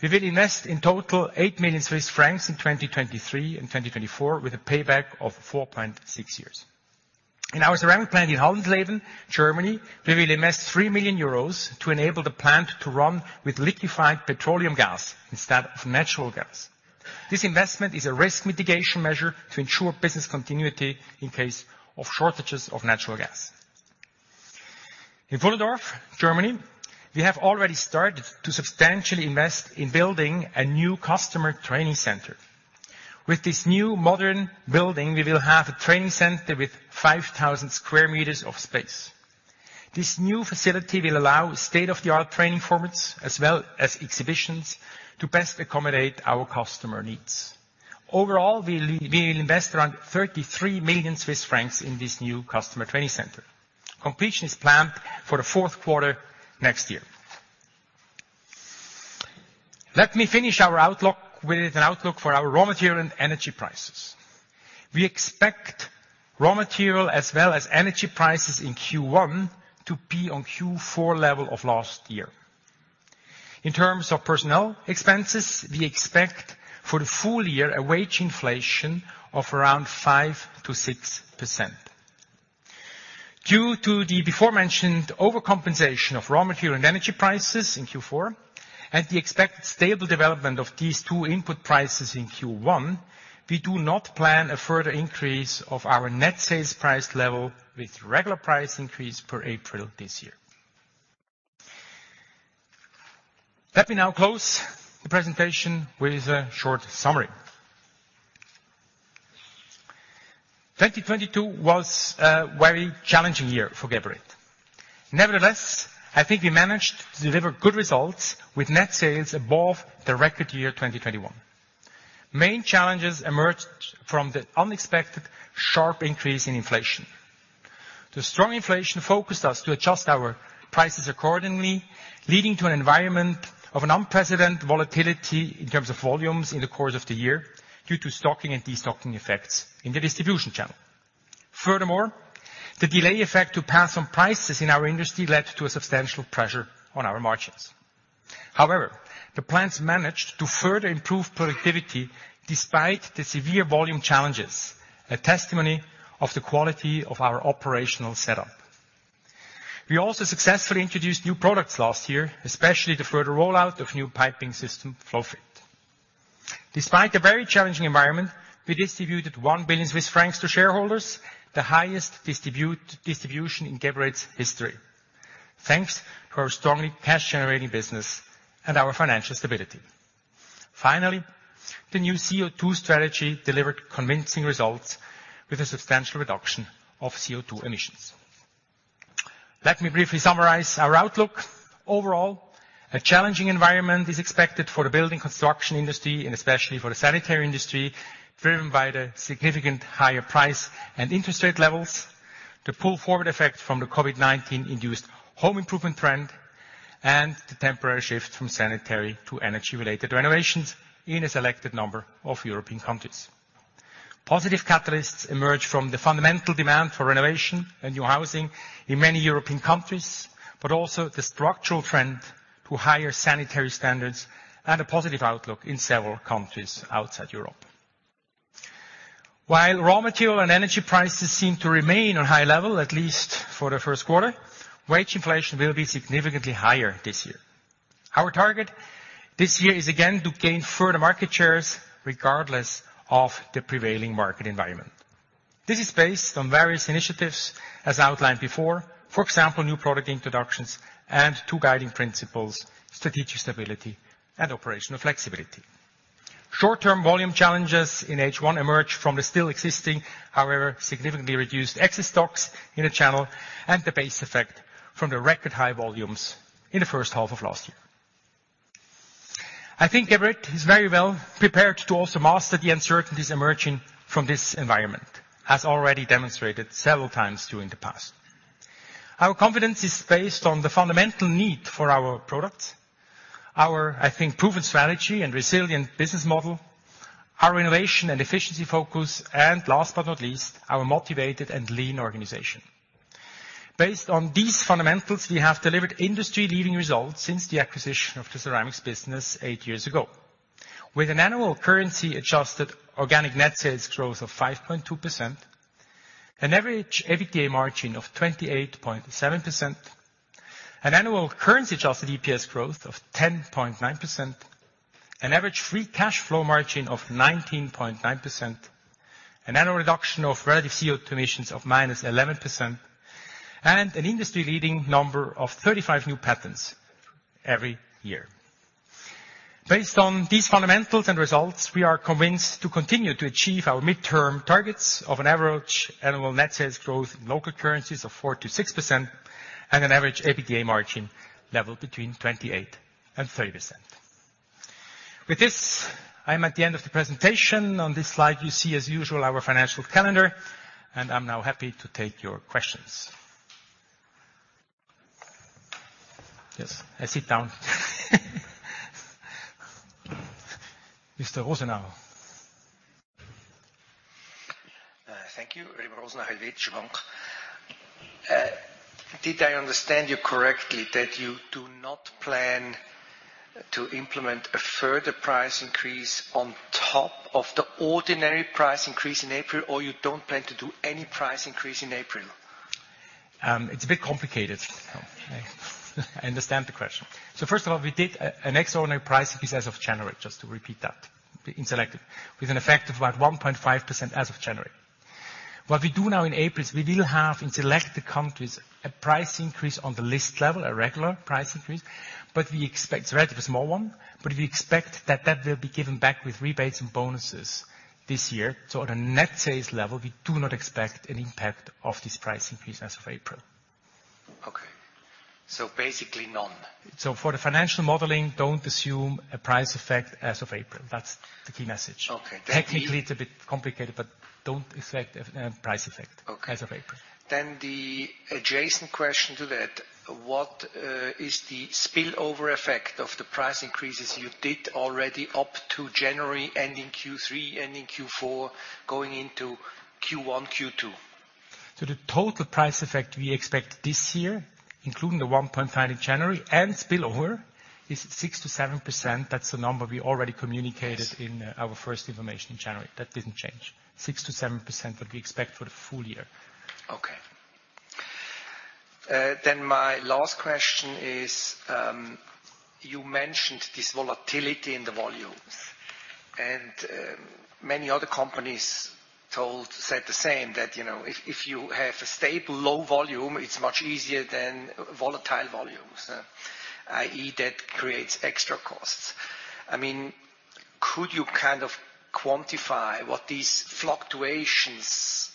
We will invest in total 8 million Swiss francs in 2023 and 2024 with a payback of 4.6 years. In our ceramic plant in Haldensleben, Germany, we will invest 3 million euros to enable the plant to run with liquefied petroleum gas instead of natural gas. This investment is a risk mitigation measure to ensure business continuity in case of shortages of natural gas. In Pfullendorf, Germany, we have already started to substantially invest in building a new customer training center. With this new modern building, we will have a training center with 5,000 square meters of space. This new facility will allow state-of-the-art training formats as well as exhibitions to best accommodate our customer needs. Overall, we will invest around 33 million Swiss francs in this new customer training center. Completion is planned for the fourth quarter next year. Let me finish our outlook with an outlook for our raw material and energy prices. We expect raw material as well as energy prices in Q1 to be on Q4 level of last year. In terms of personnel expenses, we expect for the full year a wage inflation of around 5% to 6%. Due to the before mentioned overcompensation of raw material and energy prices in Q4 and the expected stable development of these two input prices in Q1, we do not plan a further increase of our net sales price level with regular price increase for April this year. Let me now close the presentation with a short summary. 2022 was a very challenging year for Geberit. I think we managed to deliver good results with net sales above the record year, 2021. Main challenges emerged from the unexpected sharp increase in inflation. The strong inflation focused us to adjust our prices accordingly, leading to an environment of an unprecedented volatility in terms of volumes in the course of the year due to stocking and de-stocking effects in the distribution channel. Furthermore, the delay effect to pass on prices in our industry led to a substantial pressure on our margins. However, the plants managed to further improve productivity despite the severe volume challenges, a testimony of the quality of our operational setup. We also successfully introduced new products last year, especially the further rollout of new piping system FlowFit. Despite the very challenging environment, we distributed 1 billion Swiss francs to shareholders, the highest distribution in Geberit's history, thanks to our strongly cash-generating business and our financial stability. Finally, the new CO2 strategy delivered convincing results with a substantial reduction of CO2 emissions. Let me briefly summarize our outlook. Overall, a challenging environment is expected for the building construction industry and especially for the sanitary industry, driven by the significant higher price and interest rate levels, the pull-forward effect from the COVID-19 induced home improvement trend, and the temporary shift from sanitary to energy-related renovations in a selected number of European countries. Positive catalysts emerge from the fundamental demand for renovation and new housing in many European countries, but also the structural trend to higher sanitary standards and a positive outlook in several countries outside Europe. While raw material and energy prices seem to remain on high level, at least for the first quarter, wage inflation will be significantly higher this year. Our target this year is again to gain further market shares regardless of the prevailing market environment. This is based on various initiatives as outlined before, for example, new product introductions and 2 guiding principles: strategic stability and operational flexibility. Short-term volume challenges in H1 emerge from the still existing, however, significantly reduced excess stocks in the channel and the base effect from the record high volumes in the first half of last year. I think Geberit is very well prepared to also master the uncertainties emerging from this environment, as already demonstrated several times during the past. Our confidence is based on the fundamental need for our products, our, I think, proven strategy and resilient business model, our innovation and efficiency focus, and last but not least, our motivated and lean organization. Based on these fundamentals, we have delivered industry-leading results since the acquisition of the ceramics business 8 years ago. With an annual currency-adjusted organic net sales growth of 5.2%, an average EBITDA margin of 28.7%, an annual currency-adjusted EPS growth of 10.9%, an average free cash flow margin of 19.9%, an annual reduction of relative CO2 emissions of -11%, and an industry-leading number of 35 new patents every year. Based on these fundamentals and results, we are convinced to continue to achieve our midterm targets of an average annual net sales growth in local currencies of 4%-6% and an average EBITDA margin level between 28% and 30%. I'm at the end of the presentation. On this slide, you see as usual our financial calendar. I'm now happy to take your questions. I sit down. Mr. Rosenau. Thank you. Rosenau, Baader-Helvea. Did I understand you correctly that you do not plan to implement a further price increase on top of the ordinary price increase in April, or you don't plan to do any price increase in April? It's a bit complicated. Okay. I understand the question. First of all, we did an extraordinary price increase as of January, just to repeat that, in select with an effect of about 1.5% as of January. What we do now in April is we will have, in selected countries, a price increase on the list level, a regular price increase. It's a relatively small one, but we expect that will be given back with rebates and bonuses this year. At a net sales level, we do not expect an impact of this price increase as of April. Okay. basically none. For the financial modeling, don't assume a price effect as of April. That's the key message. Okay. Technically, it's a bit complicated, but don't expect a price effect. Okay. as of April. The adjacent question to that: what is the spillover effect of the price increases you did already up to January, ending Q three, ending Q four, going into Q one, Q two? The total price effect we expect this year, including the 1.5 in January and spillover, is 6%-7%. That's the number we already communicated. Yes. in our first information in January. That didn't change. 6%-7% what we expect for the full year. My last question is, you mentioned this volatility in the volumes, many other companies said the same, that, you know, if you have a stable, low volume, it's much easier than volatile volumes, i.e., that creates extra costs. I mean, could you kind of quantify what these fluctuations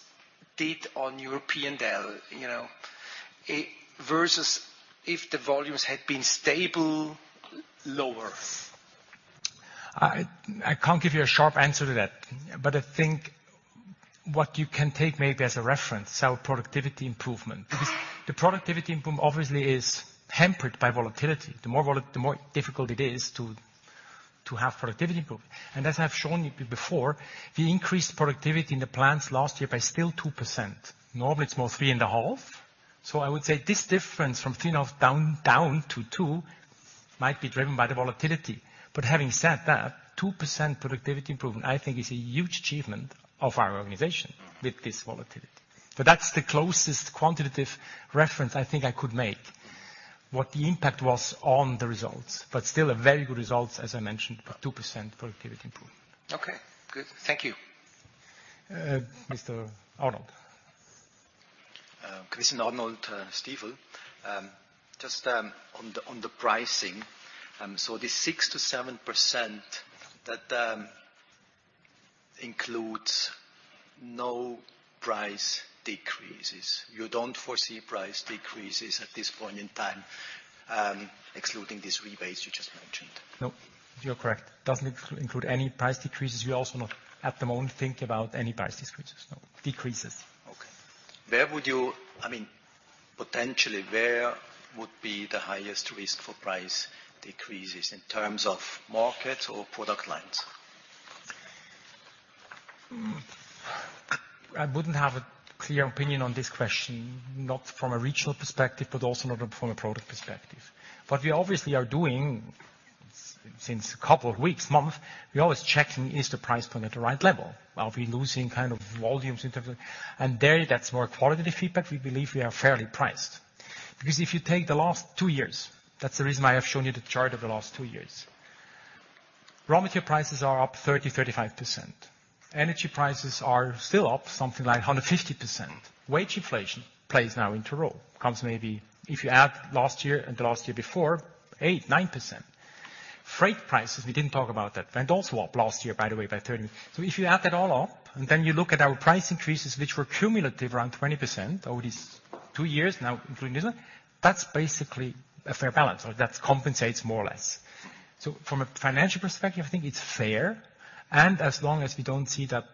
did on European sales, you know, versus if the volumes had been stable lower? I can't give you a sharp answer to that, but I think what you can take maybe as a reference, our productivity improvement. The productivity improvement obviously is hampered by volatility. The more difficult it is to have productivity improvement. As I've shown you before, we increased productivity in the plants last year by still 2%. Normally, it's more 3.5. I would say this difference from 3.5 down to 2 might be driven by the volatility. Having said that, 2% productivity improvement, I think is a huge achievement of our organization with this volatility. That's the closest quantitative reference I think I could make, what the impact was on the results. Still a very good result, as I mentioned, 2% productivity improvement. Okay, good. Thank you. Mr. Arnold. Just on the on the pricing. The 6%-7% that includes no price decreases. You don't foresee price decreases at this point in time, excluding these rebates you just mentioned? No, you're correct. Doesn't include any price decreases. We also not, at the moment, think about any price decreases. Okay. I mean, potentially, where would be the highest risk for price decreases in terms of markets or product lines? I wouldn't have a clear opinion on this question, not from a regional perspective, but also not from a product perspective. What we obviously are doing since a couple of weeks, months, we're always checking, is the price point at the right level? Are we losing kind of volumes? There, that's more qualitative feedback. We believe we are fairly priced. If you take the last two years, that's the reason why I've shown you the chart of the last two years. Raw material prices are up 30%, 35%. Energy prices are still up something like 150%. Wage inflation plays now into role. Comes maybe, if you add last year and the last year before, 8%, 9%. Freight prices, we didn't talk about that, and also up last year, by the way, by 30%. If you add that all up, and then you look at our price increases, which were cumulative around 20% over these 2 years, now including this one, that's basically a fair balance, or that compensates more or less. From a financial perspective, I think it's fair, and as long as we don't see that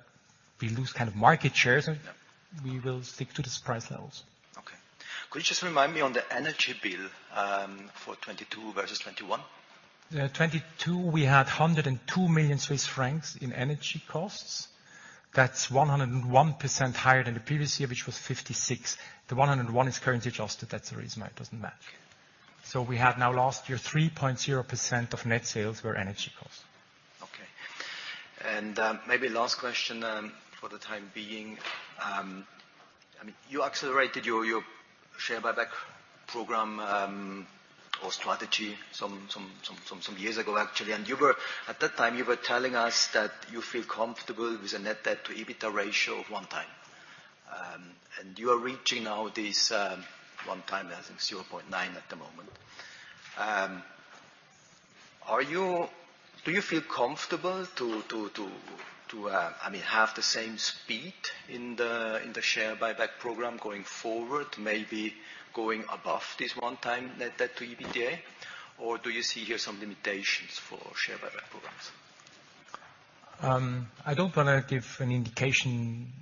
we lose kind of market shares, we will stick to these price levels. Could you just remind me on the energy bill, for 2022 versus 2021? 2022, we had 102 million Swiss francs in energy costs. That's 101% higher than the previous year, which was 56 million. The 101 is currently adjusted, that's the reason why it doesn't match. We had now last year 3.0% of net sales were energy costs. Okay. Maybe last question for the time being. I mean, you accelerated your share buyback program or strategy some years ago, actually. At that time, you were telling us that you feel comfortable with a net debt to EBITDA ratio of 1 time. You are reaching out this 1 time, I think 0.9 at the moment. Do you feel comfortable to, I mean, have the same speed in the share buyback program going forward, maybe going above this 1 time net debt to EBITDA? Do you see here some limitations for share buyback programs? I don't wanna give an indication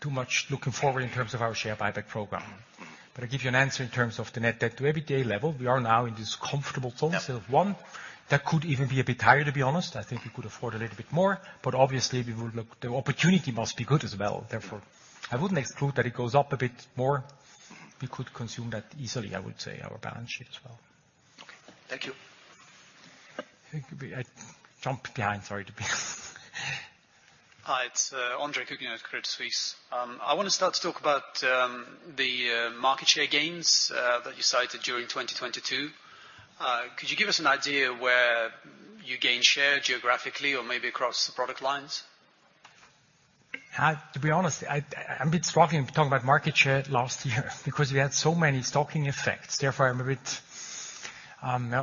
too much looking forward in terms of our share buyback program. I'll give you an answer in terms of the net debt to EBITDA level. We are now in this comfortable zone. Yep. of one. That could even be a bit higher, to be honest. I think we could afford a little bit more, but obviously we will look... The opportunity must be good as well. Therefore, I wouldn't exclude that it goes up a bit more. We could consume that easily, I would say, our balance sheet as well. Okay, thank you. I think we, I jumped behind. Sorry, Tobias. Hi, it's Andre Kukhnin at Credit Suisse. I wanna start to talk about the market share gains that you cited during 2022. Could you give us an idea where you gained share geographically or maybe across the product lines? To be honest, I'm a bit struggling talking about market share last year because we had so many stocking effects. Therefore, I'm a bit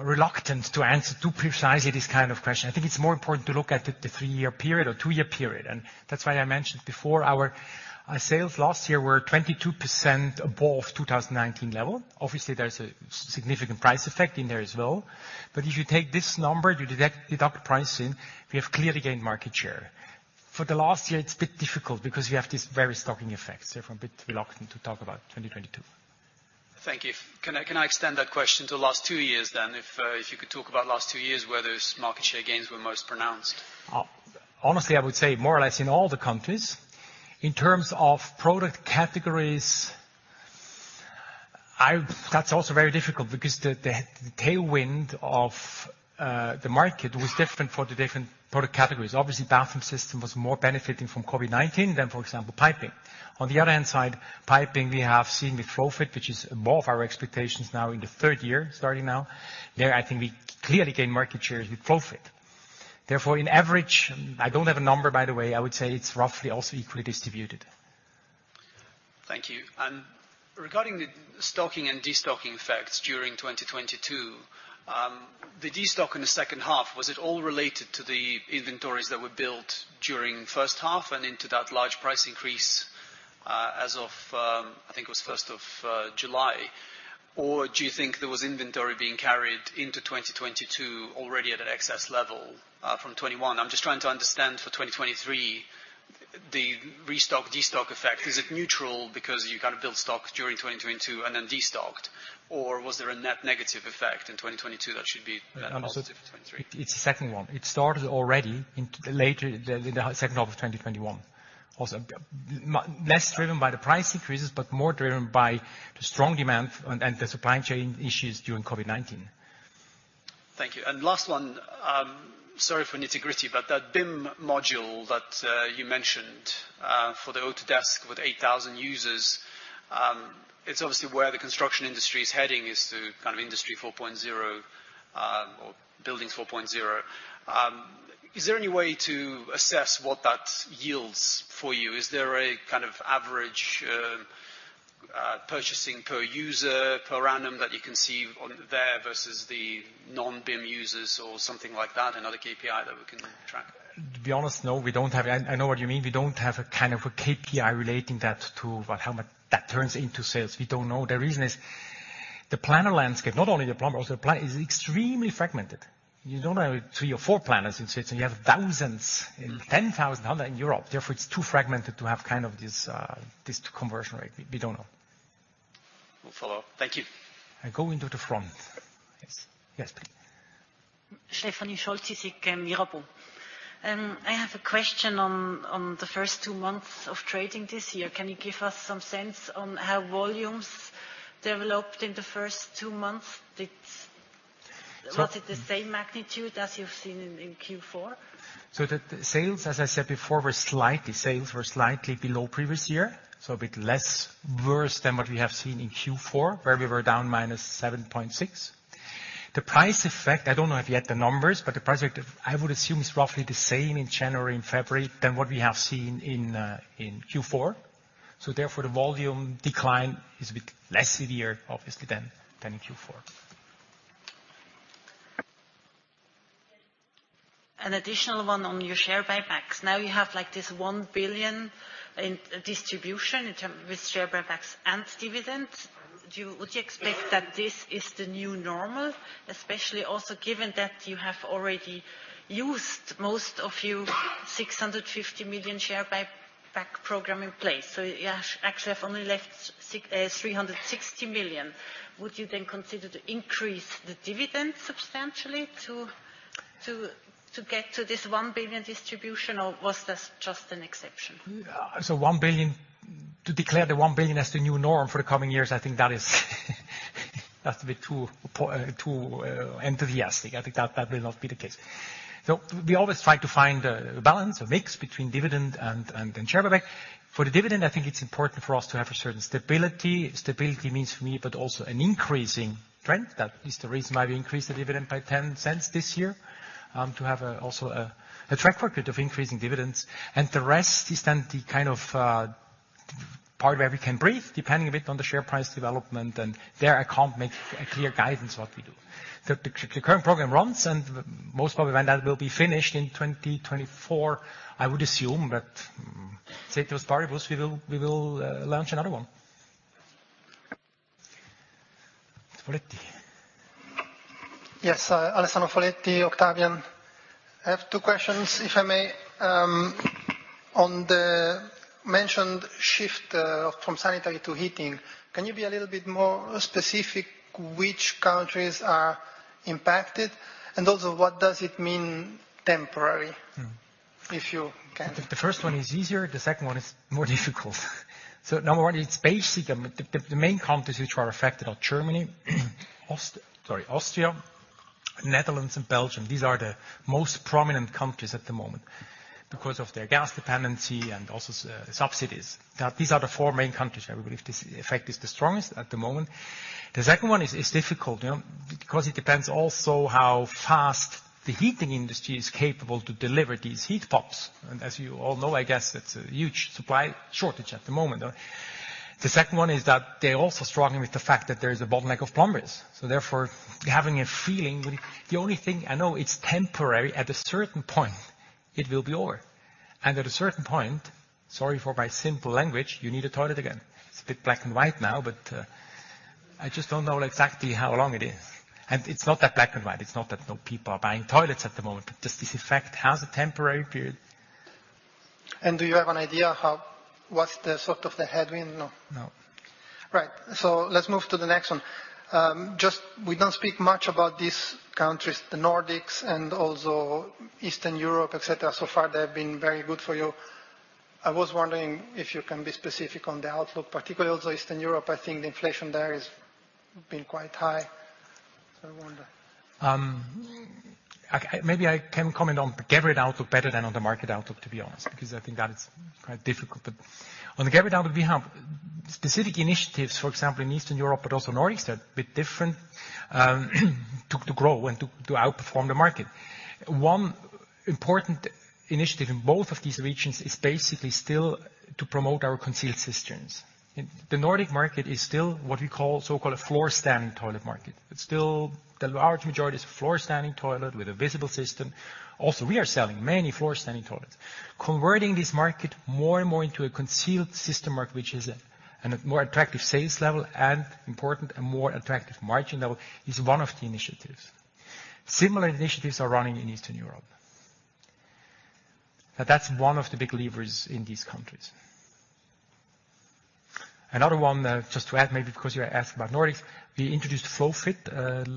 reluctant to answer too precisely this kind of question. I think it's more important to look at the three-year period or two-year period. That's why I mentioned before our sales last year were 22% above 2019 level. Obviously, there's a significant price effect in there as well. If you take this number, you deduct pricing, we have clearly gained market share. For the last year, it's a bit difficult because we have these various stocking effects. Therefore, I'm a bit reluctant to talk about 2022. Thank you. Can I extend that question to the last two years, then? If you could talk about last two years, where those market share gains were most pronounced. Honestly, I would say more or less in all the countries. In terms of product categories, that's also very difficult because the tailwind of the market was different for the different product categories. Obviously, bathroom system was more benefiting from COVID-19 than, for example, piping. On the other hand side, piping, we have seen with FlowFit, which is above our expectations now in the third year, starting now. There, I think we clearly gain market shares with FlowFit. Therefore, in average, I don't have a number, by the way, I would say it's roughly also equally distributed. Thank you. Regarding the stocking and destocking effects during 2022, the destock in the second half, was it all related to the inventories that were built during first half and into that large price increase, as of, I think it was July 1? Or do you think there was inventory being carried into 2022 already at an excess level, from 2021? I'm just trying to understand for 2023, the restock, destock effect. Is it neutral because you kind of built stocks during 2022 and then destocked? Or was there a net negative effect in 2022 that should be net positive in 2023? It's the second one. It started already in later, the second half of 2021. Also, less driven by the price increases, but more driven by the strong demand and the supply chain issues during COVID-19. Thank you. Last one, sorry for nitty-gritty, but that BIM module that you mentioned for the Autodesk with 8,000 users, it's obviously where the construction industry is heading is to kind of industry 4.0 or buildings 4.0. Is there any way to assess what that yields for you? Is there a kind of average purchasing per user per annum that you can see on there versus the non-BIM users or something like that? Another KPI that we can track? To be honest, no, we don't have. I know what you mean. We don't have a kind of a KPI relating that to what, how much that turns into sales. We don't know. The reason is the planner landscape, not only the plumber, also the planner, is extremely fragmented. You don't have three or four planners in Switzerland. You have thousands and 10,000 other in Europe. Therefore, it's too fragmented to have kind of this conversion rate. We don't know. Will follow. Thank you. I go into the front. Yes. Yes, please. Stephanie Scholz, CS and Europe. I have a question on the first two months of trading this year. Can you give us some sense on how volumes developed in the first two months? So- Was it the same magnitude as you've seen in Q4? The sales, as I said before, were slightly below previous year. A bit less worse than what we have seen in Q4, where we were down -7.6%. The price effect, I don't know if you have the numbers, but the price effect, I would assume, is roughly the same in January and February than what we have seen in Q4. Therefore, the volume decline is a bit less severe, obviously, than in Q4. An additional one on your share buybacks. You have, like, this 1 billion in distribution in term with share buybacks and dividends. Would you expect that this is the new normal, especially also given that you have already used most of your 650 million share buyback? Program in place. You actually have only left 360 million. Would you then consider to increase the dividend substantially to get to this 1 billion distribution, or was this just an exception? One billion to declare the 1 billion as the new norm for the coming years, I think that has to be too enthusiastic. I think that will not be the case. We always try to find a balance, a mix between dividend and then share buyback. For the dividend, I think it's important for us to have a certain stability. Stability means for me, but also an increasing trend. That is the reason why we increased the dividend by 0.10 this year, to have also a track record of increasing dividends. The rest is then the kind of part where we can breathe, depending a bit on the share price development. There I can't make a clear guidance what we do. The current program runs, and most probably when that will be finished in 2024, I would assume, but ceteris paribus, we will launch another one. Foletti. Yes. Alessandro Foletti, Octavian. I have 2 questions, if I may. On the mentioned shift, from sanitary to heating, can you be a little bit more specific which countries are impacted? Also what does it mean temporary? If you can. The first one is easier, the second one is more difficult. Number one, it's basically the main countries which are affected are Germany, Austria, Netherlands, and Belgium. These are the most prominent countries at the moment because of their gas dependency and also subsidies. These are the four main countries where we believe this effect is the strongest at the moment. The second one is difficult, you know, because it depends also how fast the heating industry is capable to deliver these heat pumps. As you all know, I guess it's a huge supply shortage at the moment. The second one is that they're also struggling with the fact that there is a bottleneck of plumbers. Therefore, having a feeling when... The only thing I know, it's temporary. At a certain point, it will be over. At a certain point, sorry for my simple language, you need a toilet again. It's a bit black and white now, but I just don't know exactly how long it is. It's not that black and white. It's not that no people are buying toilets at the moment. Just this effect has a temporary period. Do you have an idea what's the sort of the headwind? No. No. Right. Let's move to the next one. Just we don't speak much about these countries, the Nordics and also Eastern Europe, et cetera. So far, they have been very good for you. I was wondering if you can be specific on the outlook, particularly also Eastern Europe. I think the inflation there has been quite high. I wonder. Maybe I can comment on the Geberit outlook better than on the market outlook, to be honest, because I think that it's quite difficult. On the Geberit outlook, we have specific initiatives, for example, in Eastern Europe, but also Nordics. They're a bit different to grow and to outperform the market. One important initiative in both of these regions is basically still to promote our concealed systems. The Nordic market is still what we call so-called a floor standing toilet market. It's still the large majority is a floor standing toilet with a visible system. Also, we are selling many floor standing toilets. Converting this market more and more into a concealed system market, which is in a more attractive sales level and important and more attractive margin level is one of the initiatives. Similar initiatives are running in Eastern Europe. That's one of the big levers in these countries. Another one, just to add maybe because you asked about Nordics, we introduced FlowFit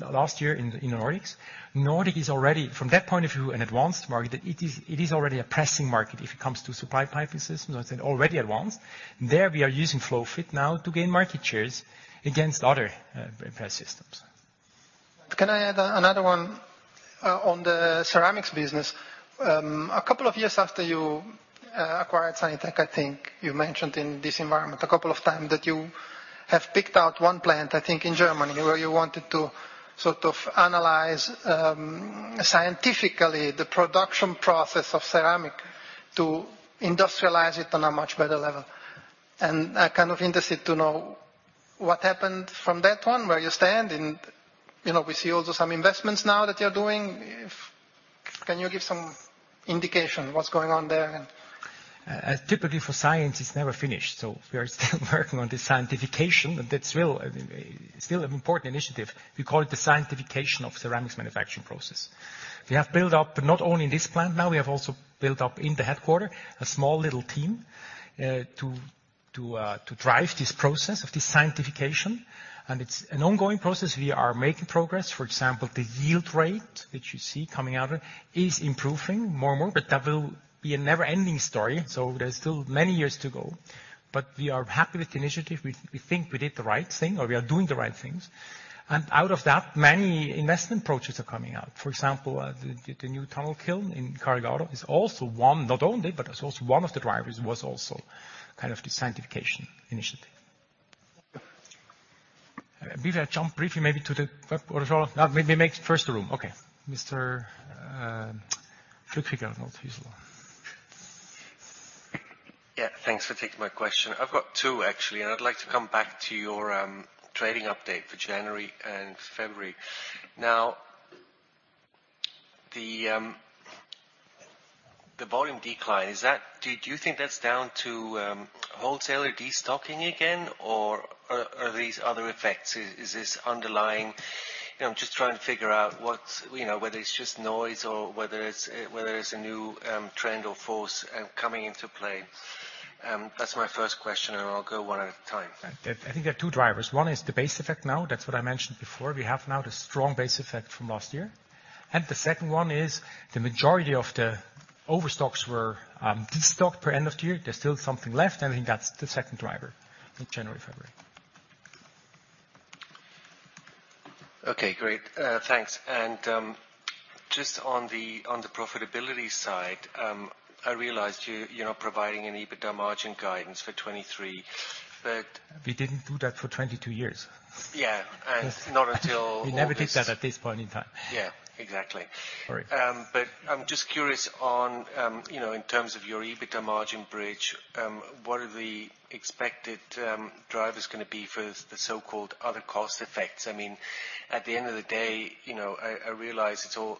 last year in Nordics. Nordic is already, from that point of view, an advanced market. It is already a pressing market if it comes to supply piping systems. As I said, already advanced. There we are using FlowFit now to gain market shares against other pipe systems. Can I add another one, on the ceramics business? A couple of years after you acquired Sanitec, I think you mentioned in this environment a couple of times that you have picked out one plant, I think in Germany, where you wanted to sort of analyze, scientifically the production process of ceramic to industrialize it on a much better level. I'm kind of interested to know what happened from that one, where you stand. You know, we see also some investments now that you're doing. Can you give some indication what's going on there and... Typically for science, it's never finished. We are still working on this scientification. That's real. It's still an important initiative. We call it the scientification of ceramics manufacturing process. We have built up not only in this plant now, we have also built up in the headquarter, a small little team to drive this process of this scientification. It's an ongoing process. We are making progress. For example, the yield rate, which you see coming out of it, is improving more and more. That will be a never-ending story. There's still many years to go. We are happy with the initiative. We think we did the right thing, or we are doing the right things. Out of that, many investment approaches are coming out. For example, the new tunnel kiln in Carugate is also one, not only, but it's also one of the drivers was also kind of the scientification initiative. Maybe I jump briefly to the web or so. No, maybe make first the room. Okay. Mr. Flückiger. Not Huesler. Thanks for taking my question. I've got two, actually, and I'd like to come back to your trading update for January and February. The volume decline, do you think that's down to wholesaler destocking again or are these other effects? Is this underlying... You know, I'm just trying to figure out whether it's just noise or whether it's a new trend or force coming into play. That's my first question, and I'll go one at a time. I think there are two drivers. One is the base effect now, that's what I mentioned before. We have now the strong base effect from last year. The second one is the majority of the overstocks were destocked per end of the year. There's still something left. I think that's the second driver in January, February. Okay, great. thanks. Just on the profitability side, I realized you're not providing an EBITDA margin guidance for 23. We didn't do that for 22 years. Yeah. Not until all this- We never did that at this point in time. Yeah, exactly. Sorry. I'm just curious on, you know, in terms of your EBITDA margin bridge, what are the expected drivers gonna be for the so-called other cost effects? I mean, at the end of the day, you know, I realize it's all,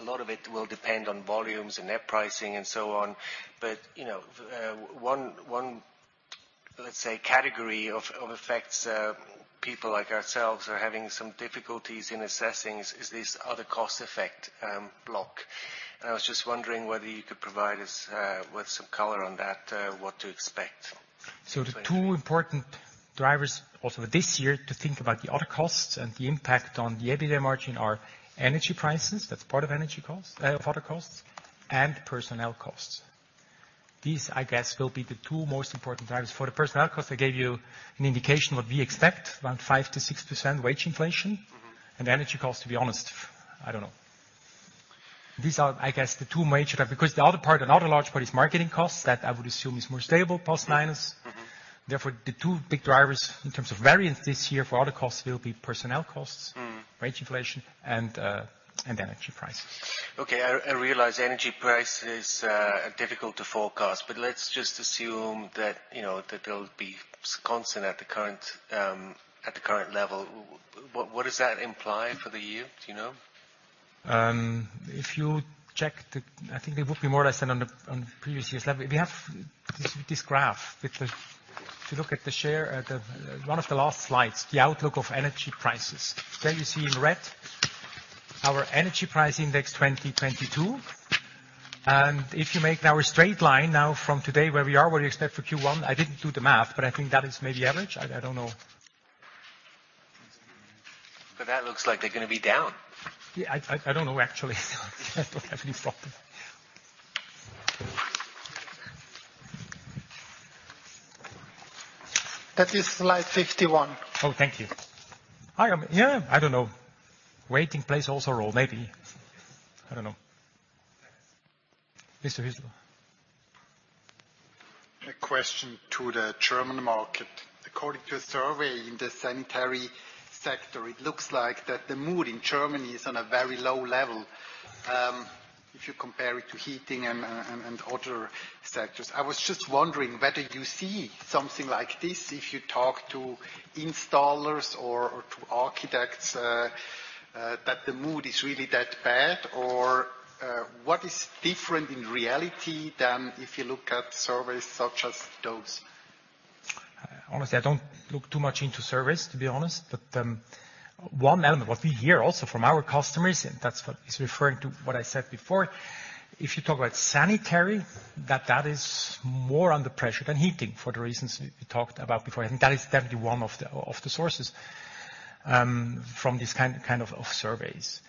a lot of it will depend on volumes and net pricing and so on. You know, one, let's say, category of effects, people like ourselves are having some difficulties in assessing is this other cost effect, block. I was just wondering whether you could provide us with some color on that, what to expect 2023. The two important drivers also this year to think about the other costs and the impact on the EBITDA margin are energy prices, that's part of energy costs, of other costs, and personnel costs. These, I guess, will be the two most important drivers. For the personnel costs, I gave you an indication what we expect, around 5%-6% wage inflation. Energy costs, to be honest, I don't know. These are, I guess, the two major drive. The other part, another large part is marketing costs, that I would assume is more stable post-pandemic. Mm-hmm. Therefore, the two big drivers in terms of variance this year for other costs will be personnel costs. Mm. Wage inflation and energy prices. Okay. I realize energy prices are difficult to forecast, but let's just assume that, you know, that they'll be constant at the current level. What does that imply for the year? Do you know? If you check, I think they would be more or less than on the previous year's level. We have this graph. If you look at the share at one of the last slides, the outlook of energy prices. There you see in red our energy price index 2022. If you make now a straight line now from today where we are, where you expect for Q1, I didn't do the math, but I think that is maybe average. I don't know. That looks like they're gonna be down. Yeah. I don't know, actually. I don't have any problem. That is slide 51. Oh, thank you. I am, yeah, I don't know. Waiting plays also a role, maybe. I don't know. Mr. Huesler. A question to the German market. According to a survey in the sanitary sector, it looks like that the mood in Germany is on a very low level, if you compare it to heating and other sectors. I was just wondering whether you see something like this if you talk to installers or to architects, that the mood is really that bad. What is different in reality than if you look at surveys such as those? Honestly, I don't look too much into surveys, to be honest. One element, what we hear also from our customers, and that's what is referring to what I said before, if you talk about sanitary, that that is more under pressure than heating for the reasons we talked about before. I think that is definitely one of the sources, from this kind of surveys.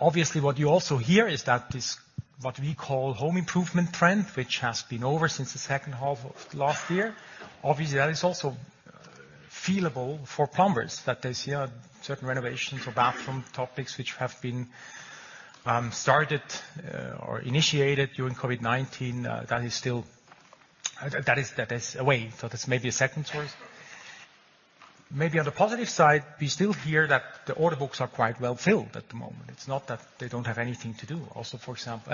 Obviously, what you also hear is that this, what we call home improvement trend, which has been over since the second half of last year. Obviously, that is also feelable for plumbers, that they see, certain renovations or bathroom topics which have been, started, or initiated during COVID-19. That is still... That is a way. So that's maybe a second source. Maybe on the positive side, we still hear that the order books are quite well-filled at the moment. It's not that they don't have anything to do.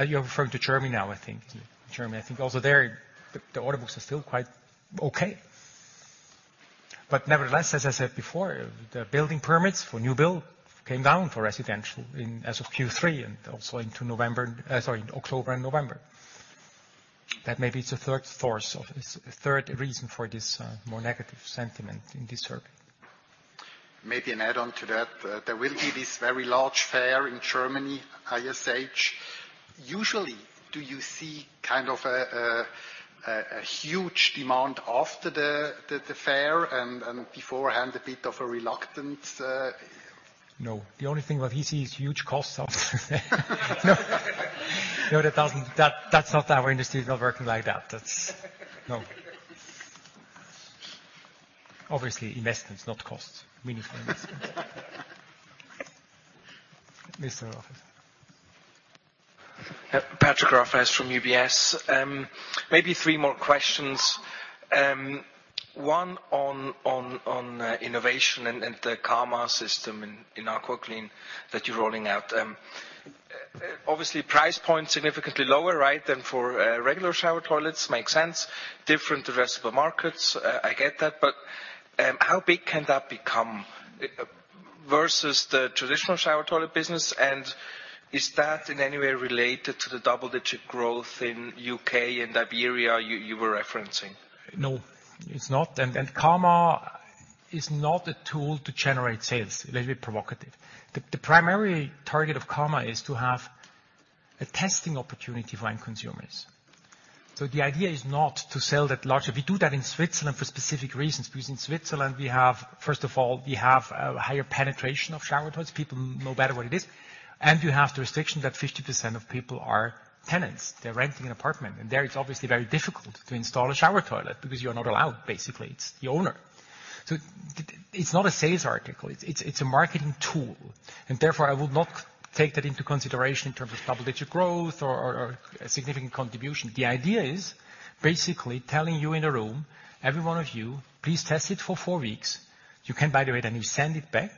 You're referring to Germany now, I think. Germany, I think also there the order books are still quite okay. Nevertheless, as I said before, the building permits for new build came down for residential as of Q3, and also into November, sorry, in October and November. That may be the third source of this, third reason for this, more negative sentiment in this survey. Maybe an add-on to that. There will be this very large fair in Germany, ISH. Usually, do you see kind of a huge demand after the fair and beforehand a bit of a reluctance? No. The only thing what we see is huge costs after the fair. No. That's not how our industry is not working like that. No. Obviously, investments, not costs. Meaningful investments. Mr. Rafaisz. Patrick Rafaisz from UBS. Maybe three more questions. One on innovation and the Cama system in AquaClean that you're rolling out. Obviously price point significantly lower, right, than for regular shower toilets, makes sense. Different addressable markets, I get that. How big can that become? Versus the traditional shower toilet business. Is that in any way related to the double-digit growth in U.K. and Iberia you were referencing? No, it's not. Carma is not a tool to generate sales. A little bit provocative. The primary target of Carma is to have a testing opportunity for end consumers. The idea is not to sell that larger. We do that in Switzerland for specific reasons, because in Switzerland, first of all, we have a higher penetration of shower toilets. People know better what it is. You have the restriction that 50% of people are tenants. They're renting an apartment. There, it's obviously very difficult to install a shower toilet because you're not allowed, basically. It's the owner. It's not a sales article. It's a marketing tool. Therefore, I would not take that into consideration in terms of double-digit growth or a significant contribution. The idea is basically telling you in a room, every one of you, please test it for four weeks. You can buy it and you send it back,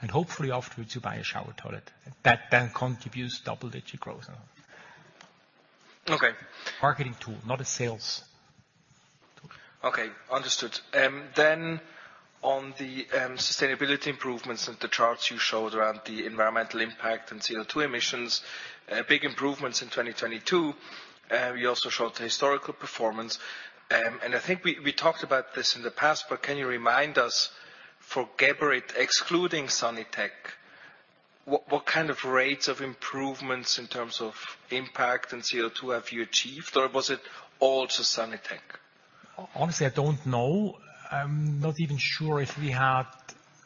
and hopefully afterwards, you buy a shower toilet. That then contributes double-digit growth. Okay. Marketing tool, not a sales tool. Okay, understood. On the sustainability improvements and the charts you showed around the environmental impact and CO2 emissions, big improvements in 2022. You also showed the historical performance. I think we talked about this in the past, but can you remind us for Geberit, excluding Sanitec, what kind of rates of improvements in terms of impact and CO2 have you achieved? Or was it all to Sanitec? Honestly, I don't know. I'm not even sure if we had,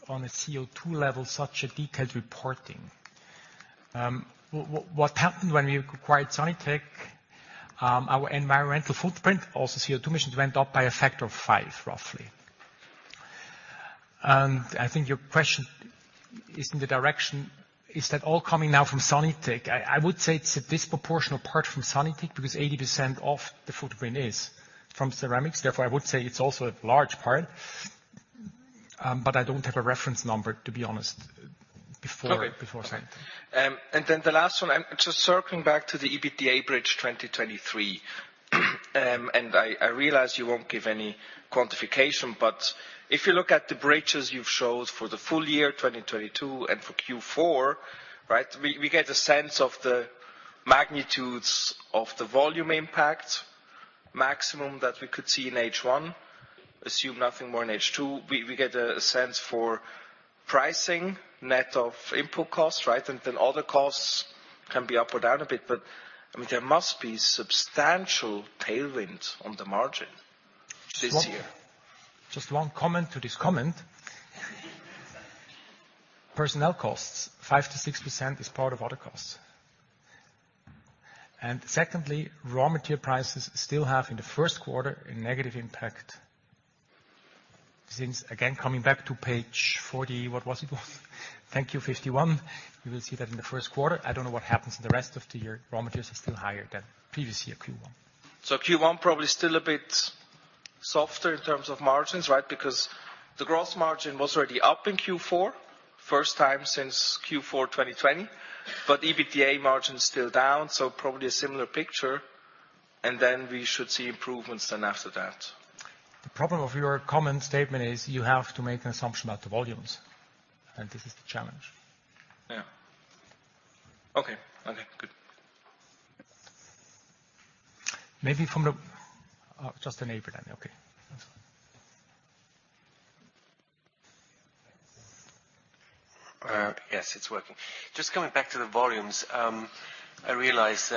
on a CO2 level, such a detailed reporting. What happened when we acquired Sanitec, our environmental footprint, also CO2 emissions, went up by a factor of 5, roughly. I think your question is in the direction, is that all coming now from Sanitec? I would say it's a disproportional part from Sanitec because 80% of the footprint is from ceramics. I would say it's also a large part. I don't have a reference number, to be honest, before... Okay. Before Sanitec. The last one, I'm just circling back to the EBITDA bridge 2023. I realize you won't give any quantification, but if you look at the bridges you've showed for the full year 2022 and for Q4, right? We get a sense of the magnitudes of the volume impact maximum that we could see in H1, assume nothing more in H2. We get a sense for pricing net of input costs, right? Then other costs can be up or down a bit. I mean, there must be substantial tailwind on the margin this year. Just one comment to this comment. Personnel costs, 5% to 6% is part of other costs. Secondly, raw material prices still have, in the first quarter, a negative impact. Since, again, coming back to page 40... What was it? Thank you, 51. We will see that in the first quarter. I don't know what happens in the rest of the year. Raw materials are still higher than previously at Q1. Q1 probably still a bit softer in terms of margins, right? The gross margin was already up in Q4, first time since Q4 2020. EBITDA margin is still down. Probably a similar picture. Then we should see improvements then after that. The problem of your comment statement is you have to make an assumption about the volumes. This is the challenge. Yeah. Okay. Okay, good. Maybe from the just a neighbor then. Okay. That's fine. Yes, it's working. Just coming back to the volumes, I realize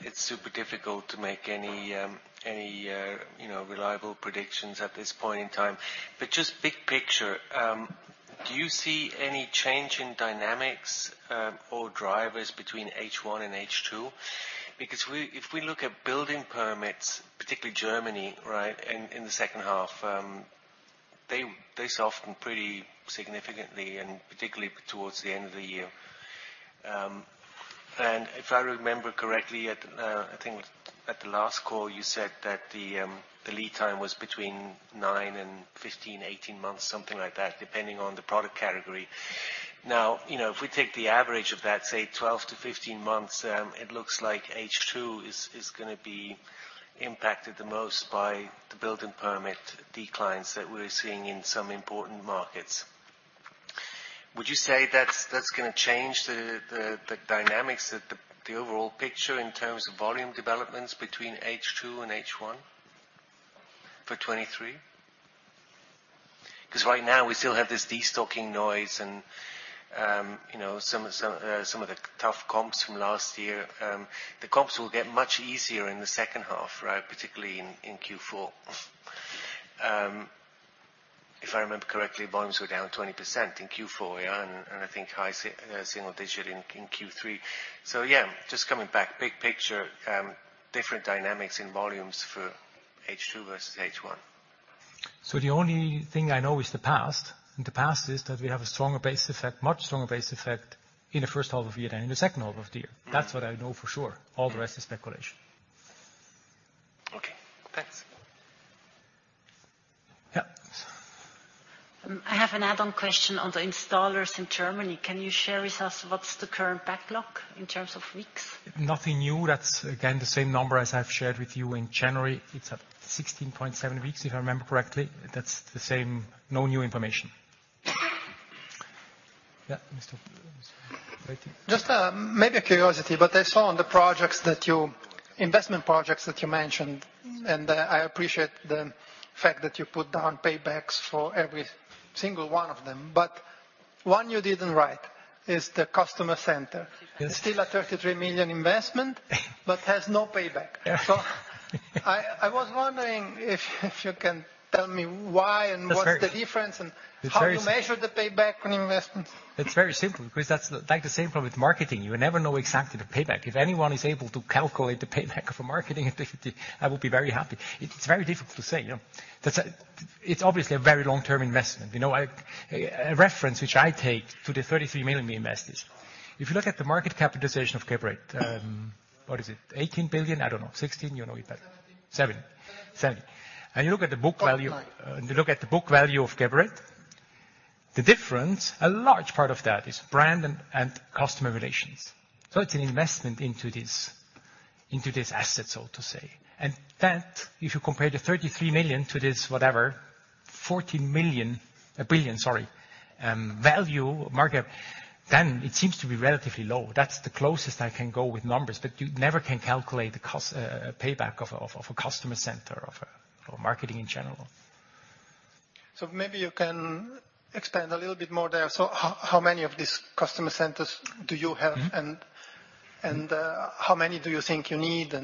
it's super difficult to make any, you know, reliable predictions at this point in time. Just big picture, do you see any change in dynamics or drivers between H1 and H2? If we look at building permits, particularly Germany, right, in the second half, they soften pretty significantly and particularly towards the end of the year. If I remember correctly, at, I think at the last call, you said that the lead time was between 9 and 15, 18 months, something like that, depending on the product category. You know, if we take the average of that, say 12 to 15 months, it looks like H2 is gonna be impacted the most by the building permit declines that we're seeing in some important markets. Would you say that's gonna change the dynamics that the overall picture in terms of volume developments between H2 and H1 for 2023? Right now, we still have this destocking noise and, you know, some of the tough comps from last year. The comps will get much easier in the second half, right, particularly in Q4. If I remember correctly, volumes were down 20% in Q4, and I think high single digit in Q3. Just coming back, big picture, different dynamics in volumes for H2 versus H1. The only thing I know is the past, and the past is that we have a stronger base effect, much stronger base effect in the first half of year than in the second half of the year. That's what I know for sure. All the rest is speculation. Okay, thanks. Yeah. I have an add-on question on the installers in Germany. Can you share with us what's the current backlog in terms of weeks? Nothing new. That's again, the same number as I've shared with you in January. It's at 16.7 weeks, if I remember correctly. That's the same. No new information. Yeah, Mr. Breiti. Just, maybe a curiosity, but I saw on the projects that you investment projects that you mentioned, and I appreciate the fact that you put down paybacks for every single one of them. One you didn't write is the customer center. Yes. Still a 33 million investment, but has no payback. Yeah. I was wondering if you can tell me why and what's the difference, and how you measure the payback on investments? It's very simple because that's like the same problem with marketing. You never know exactly the payback. If anyone is able to calculate the payback of a marketing activity, I would be very happy. It's very difficult to say, you know. It's obviously a very long-term investment. You know, A reference which I take to the 33 million we invest is, if you look at the market capitalization of Geberit, what is it? 18 billion? I don't know. 16 billion? You know it better. Seventeen. Seven. Seven. You look at the book value of Geberit, the difference, a large part of that is brand and customer relations. It's an investment into this asset, so to say. That, if you compare the 33 million to this, whatever, 14 billion, sorry, value market, then it seems to be relatively low. That's the closest I can go with numbers, but you never can calculate the cost payback of a customer center or marketing in general. Maybe you can expand a little bit more there. How many of these customer centers do you have? Mm-hmm. How many do you think you need?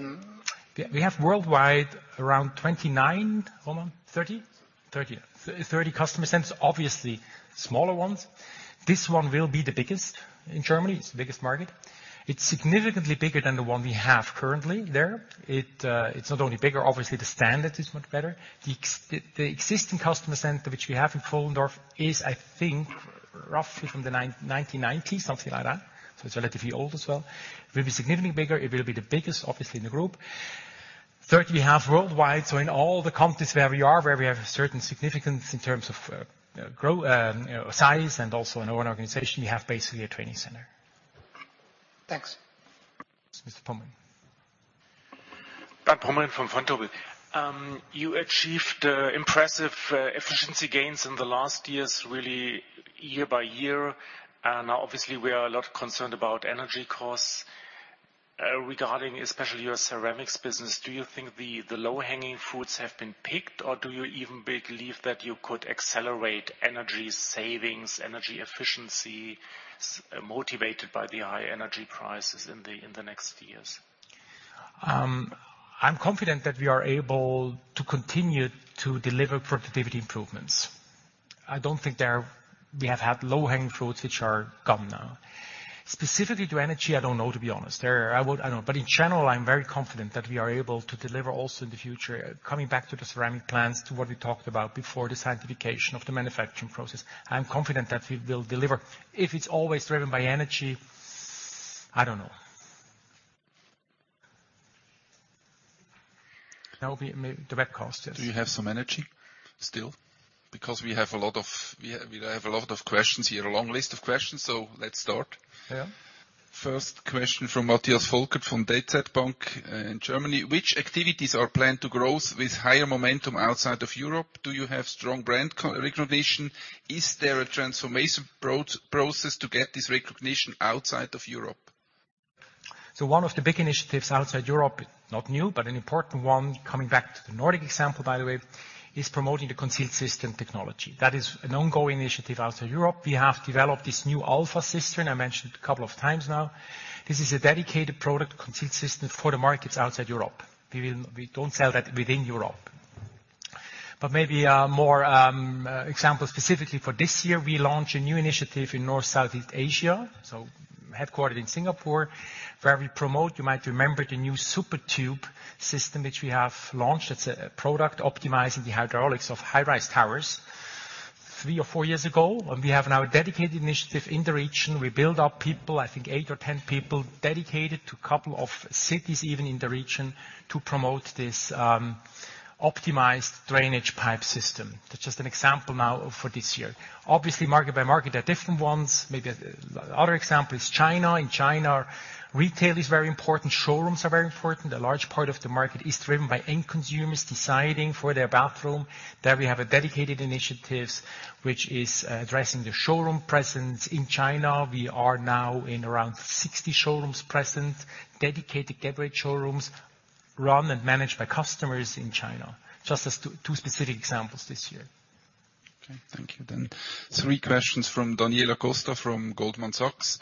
We have worldwide around 29. 30? 30 customer centers. Obviously, smaller ones. This one will be the biggest. In Germany, it's the biggest market. It's significantly bigger than the one we have currently there. It's not only bigger, obviously the standard is much better. The existing customer center which we have in Pfullendorf is, I think, roughly from the 1990, something like that, so it's relatively old as well. It will be significantly bigger. It will be the biggest, obviously, in the group. 30 we have worldwide, so in all the countries where we are, where we have a certain significance in terms of grow, you know, size and also in our organization, we have basically a training center. Thanks. Mr. Pomrehn. Daniel Enderli from Vontobel. You achieved impressive efficiency gains in the last years, really year by year. Obviously, we are a lot concerned about energy costs. Regarding especially your ceramics business, do you think the low-hanging fruits have been picked or do you even believe that you could accelerate energy savings, energy efficiency motivated by the high energy prices in the next years? I'm confident that we are able to continue to deliver productivity improvements. I don't think there we have had low-hanging fruits which are gone now. Specifically to energy, I don't know to be honest. There, I don't. In general, I'm very confident that we are able to deliver also in the future. Coming back to the ceramic plants, to what we talked about before, the scientification of the manufacturing process, I'm confident that we will deliver. If it's always driven by energy, I don't know. The webcast. Yes. Do you have some energy still? We have a lot of questions here. A long list of questions. Let's start. Yeah. First question from Matthias Volkert from DZ Bank in Germany. Which activities are planned to growth with higher momentum outside of Europe? Do you have strong brand recognition? Is there a transformation process to get this recognition outside of Europe? One of the big initiatives outside Europe, not new, but an important one, coming back to the Nordic example, by the way, is promoting the concealed system technology. That is an ongoing initiative outside Europe. We have developed this new Alpha system, I mentioned a couple of times now. This is a dedicated product, concealed system for the markets outside Europe. We don't sell that within Europe. Maybe, more, example specifically for this year, we launched a new initiative in North Southeast Asia, so headquartered in Singapore, where we promote, you might remember, the new SuperTube system which we have launched. It's a product optimizing the hydraulics of high-rise towers three or four years ago. We have now a dedicated initiative in the region. We build our people, I think 8 or 10 people dedicated to a couple of cities even in the region to promote this optimized drainage pipe system. That's just an example now for this year. Market by market are different ones. Other example is China. In China, retail is very important. Showrooms are very important. A large part of the market is driven by end consumers deciding for their bathroom. There we have a dedicated initiatives which is addressing the showroom presence. In China, we are now in around 60 showrooms present, dedicated Geberit showrooms run and managed by customers in China. Just as 2 specific examples this year. Okay, thank you. Three questions from Daniela Costa from Goldman Sachs.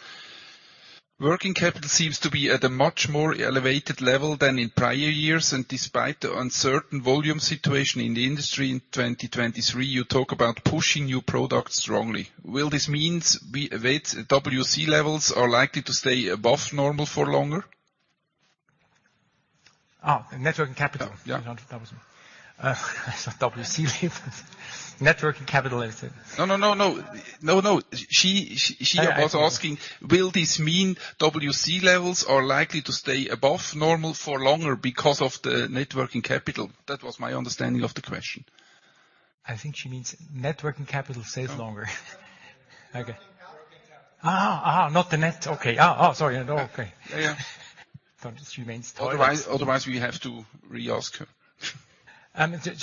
Working capital seems to be at a much more elevated level than in prior years, and despite the uncertain volume situation in the industry in 2023, you talk about pushing new products strongly. Will this means we await WC levels are likely to stay above normal for longer? Oh, networking capital. Yeah. Not WC. WC levels. Networking capital is it. No, no, no. No, no. She was asking, will this mean WC levels are likely to stay above normal for longer because of the networking capital? That was my understanding of the question. I think she means networking capital stays longer. Okay. Working capital. not the net. Okay. sorry. No, okay. Yeah, yeah. Don't just remain still. Otherwise, we have to re-ask her.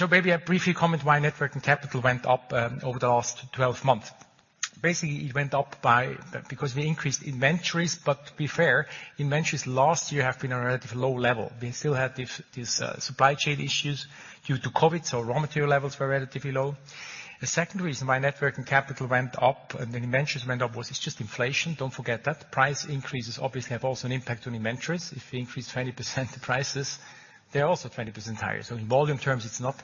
Maybe I briefly comment why net working capital went up over the last 12 months. Basically, it went up because we increased inventories. To be fair, inventories last year have been a relatively low level. We still had these supply chain issues due to COVID, raw material levels were relatively low. The second reason why net working capital went up and the inventories went up was it's just inflation. Don't forget that price increases obviously have also an impact on inventories. If we increase 20% the prices, they're also 20% higher. In volume terms, it's not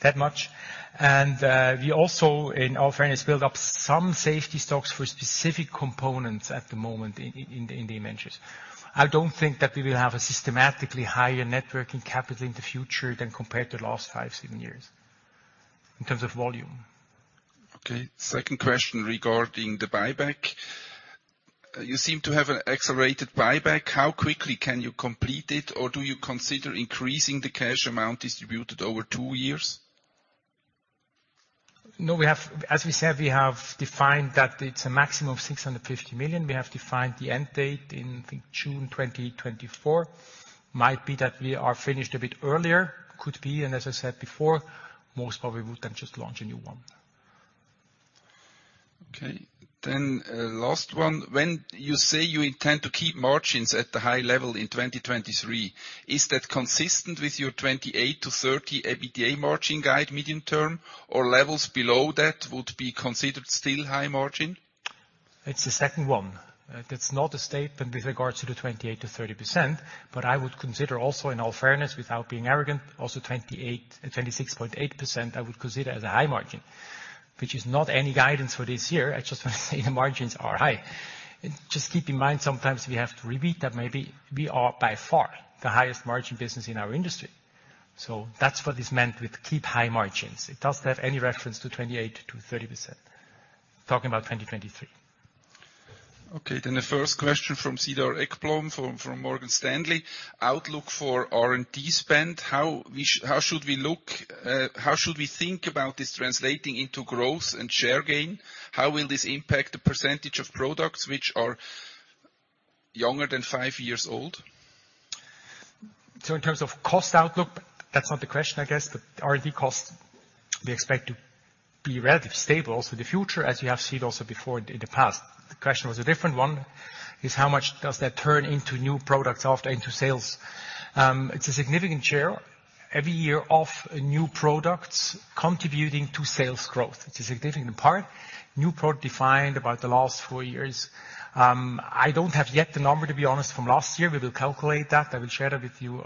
that much. We also, in all fairness, build up some safety stocks for specific components at the moment in the inventories. I don't think that we will have a systematically higher net working capital in the future than compared to the last five, seven years in terms of volume. Okay. Second question regarding the buyback. You seem to have an accelerated buyback. How quickly can you complete it, or do you consider increasing the cash amount distributed over two years? As we said, we have defined that it's a maximum of 650 million. We have defined the end date in, I think June 2024. Might be that we are finished a bit earlier. Could be. As I said before, most probably we can just launch a new one. Okay. last one. When you say you intend to keep margins at the high level in 2023, is that consistent with your 28%-30% EBITDA margin guide medium-term, or levels below that would be considered still high margin? It's the second one. That's not a statement with regards to the 28%-30%, but I would consider also, in all fairness, without being arrogant, also 28% and 26.8% I would consider as a high margin. Which is not any guidance for this year, I just wanna say the margins are high. Just keep in mind, sometimes we have to repeat that maybe we are by far the highest margin business in our industry. That's what is meant with keep high margins. It doesn't have any reference to 28%-30%. Talking about 2023. Okay. The first question from Cedar Ekblom from Morgan Stanley. Outlook for R&D spend, how should we look, how should we think about this translating into growth and share gain? How will this impact the % of products which are younger than five years old? In terms of cost outlook, that's not the question, I guess. The R&D costs we expect to be relatively stable. The future, as you have seen also before in the past. The question was a different one, is how much does that turn into new products into sales? It's a significant share every year of new products contributing to sales growth. It's a significant part. New product defined about the last 4 years. I don't have yet the number, to be honest, from last year. We will calculate that. I will share that with you,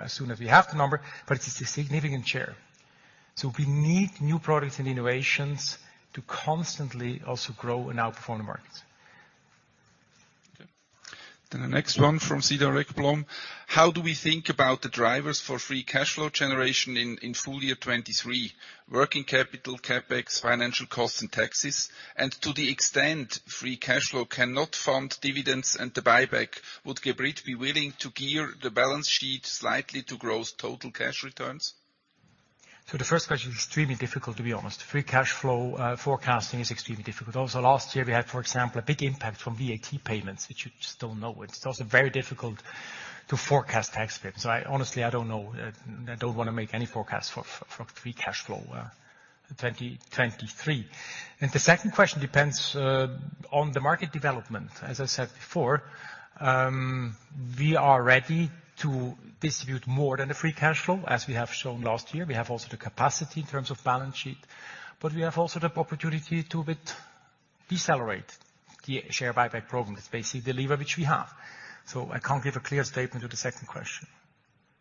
as soon as we have the number, but it's a significant share. We need new products and innovations to constantly also grow and outperform the market. Okay. The next one from Cedar Ekblom. How do we think about the drivers for free cash flow generation in full year 2023? Working capital, CapEx, financial costs and taxes? To the extent free cash flow cannot fund dividends and the buyback, would Geberit be willing to gear the balance sheet slightly to grow total cash returns? The first question is extremely difficult, to be honest. Free cash flow forecasting is extremely difficult. Also last year we had, for example, a big impact from VAT payments, which you just don't know. It's also very difficult to forecast tax payments. I honestly, I don't know. I don't wanna make any forecast for free cash flow 2023. The second question depends on the market development. As I said before, we are ready to distribute more than the free cash flow, as we have shown last year. We have also the capacity in terms of balance sheet, but we have also the opportunity to a bit decelerate the share buyback program. It's basically the lever which we have. I can't give a clear statement to the second question.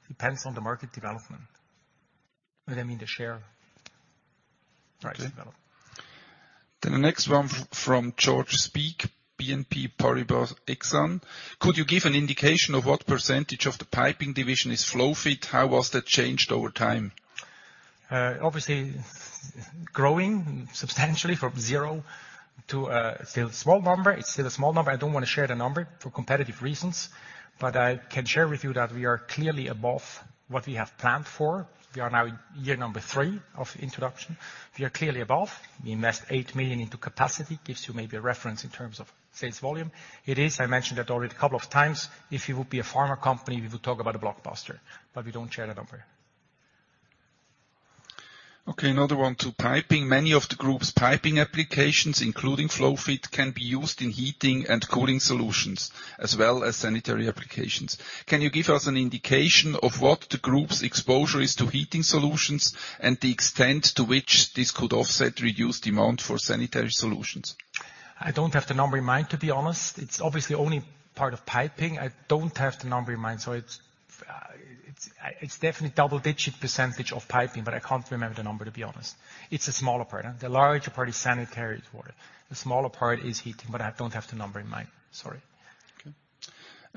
Depends on the market development. I mean, the share- Right. -development. The next one from George Speake, BNP Paribas Exane. Could you give an indication of what % of the piping division is FlowFit? How has that changed over time? Obviously growing substantially from 0 to still a small number. It's still a small number. I don't wanna share the number for competitive reasons, but I can share with you that we are clearly above what we have planned for. We are now in year number 3 of introduction. We are clearly above. We invest 8 million into capacity, gives you maybe a reference in terms of sales volume. It is, I mentioned that already a couple of times, if it would be a pharma company, we would talk about a blockbuster, but we don't share that number. Another one to piping. Many of the group's piping applications, including FlowFit, can be used in heating and cooling solutions as well as sanitary applications. Can you give us an indication of what the group's exposure is to heating solutions and the extent to which this could offset reduced demand for sanitary solutions? I don't have the number in mind, to be honest. It's obviously only part of piping. I don't have the number in mind, so it's definitely double-digit percentage of piping, but I can't remember the number, to be honest. It's a smaller part. The larger part is sanitary water. The smaller part is heating, but I don't have the number in mind. Sorry. Okay.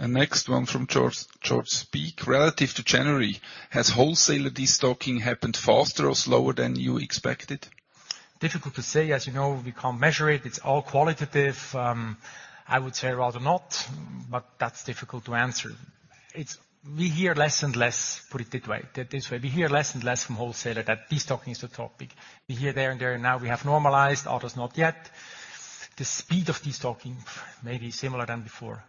Next one from George Speak. Relative to January, has wholesaler destocking happened faster or slower than you expected? Difficult to say. As you know, we can't measure it. It's all qualitative. I would say rather not, but that's difficult to answer. We hear less and less, put it that way, that this way. We hear less and less from wholesaler that destocking is the topic. We hear there and there, now we have normalized, others not yet. The speed of destocking, maybe similar than before.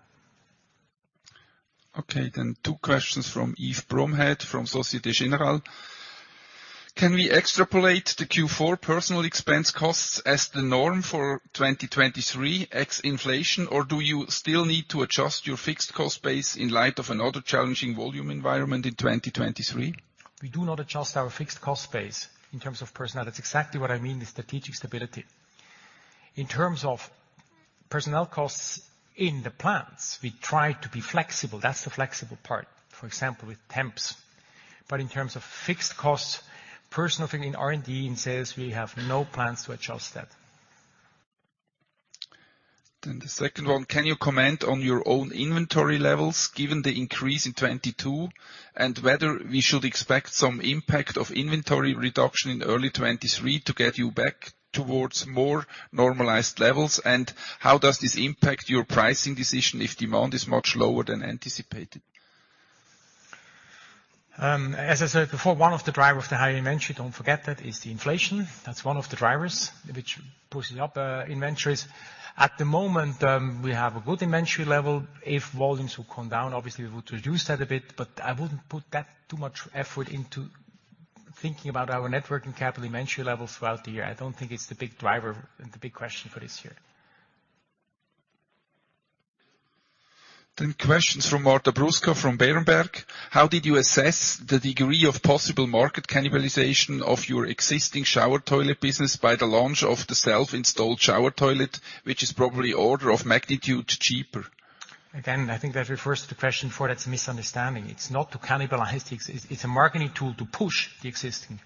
Okay, two questions from Yves Bromehead from Societe Generale. Can we extrapolate the Q4 personal expense costs as the norm for 2023 X inflation? Or do you still need to adjust your fixed cost base in light of another challenging volume environment in 2023? We do not adjust our fixed cost base in terms of personnel. That's exactly what I mean, the strategic stability. In terms of personnel costs in the plants, we try to be flexible. That's the flexible part, for example, with temps. In terms of fixed costs, personnel in R&D and sales, we have no plans to adjust that. The second one. Can you comment on your own inventory levels given the increase in 2022, and whether we should expect some impact of inventory reduction in early 2023 to get you back towards more normalized levels? How does this impact your pricing decision if demand is much lower than anticipated? As I said before, one of the driver of the high inventory, don't forget that, is the inflation. That's one of the drivers which pushing up inventories. At the moment, we have a good inventory level. If volumes will come down, obviously, we would reduce that a bit, but I wouldn't put that too much effort into thinking about our net working capital inventory levels throughout the year. I don't think it's the big driver and the big question for this year. Questions from Marta Bruska, from Berenberg. How did you assess the degree of possible market cannibalization of your existing shower toilet business by the launch of the self-installed shower toilet, which is probably order of magnitude cheaper? I think that refers to question four. That's a misunderstanding. It's not to cannibalize. It's a marketing tool to push the existing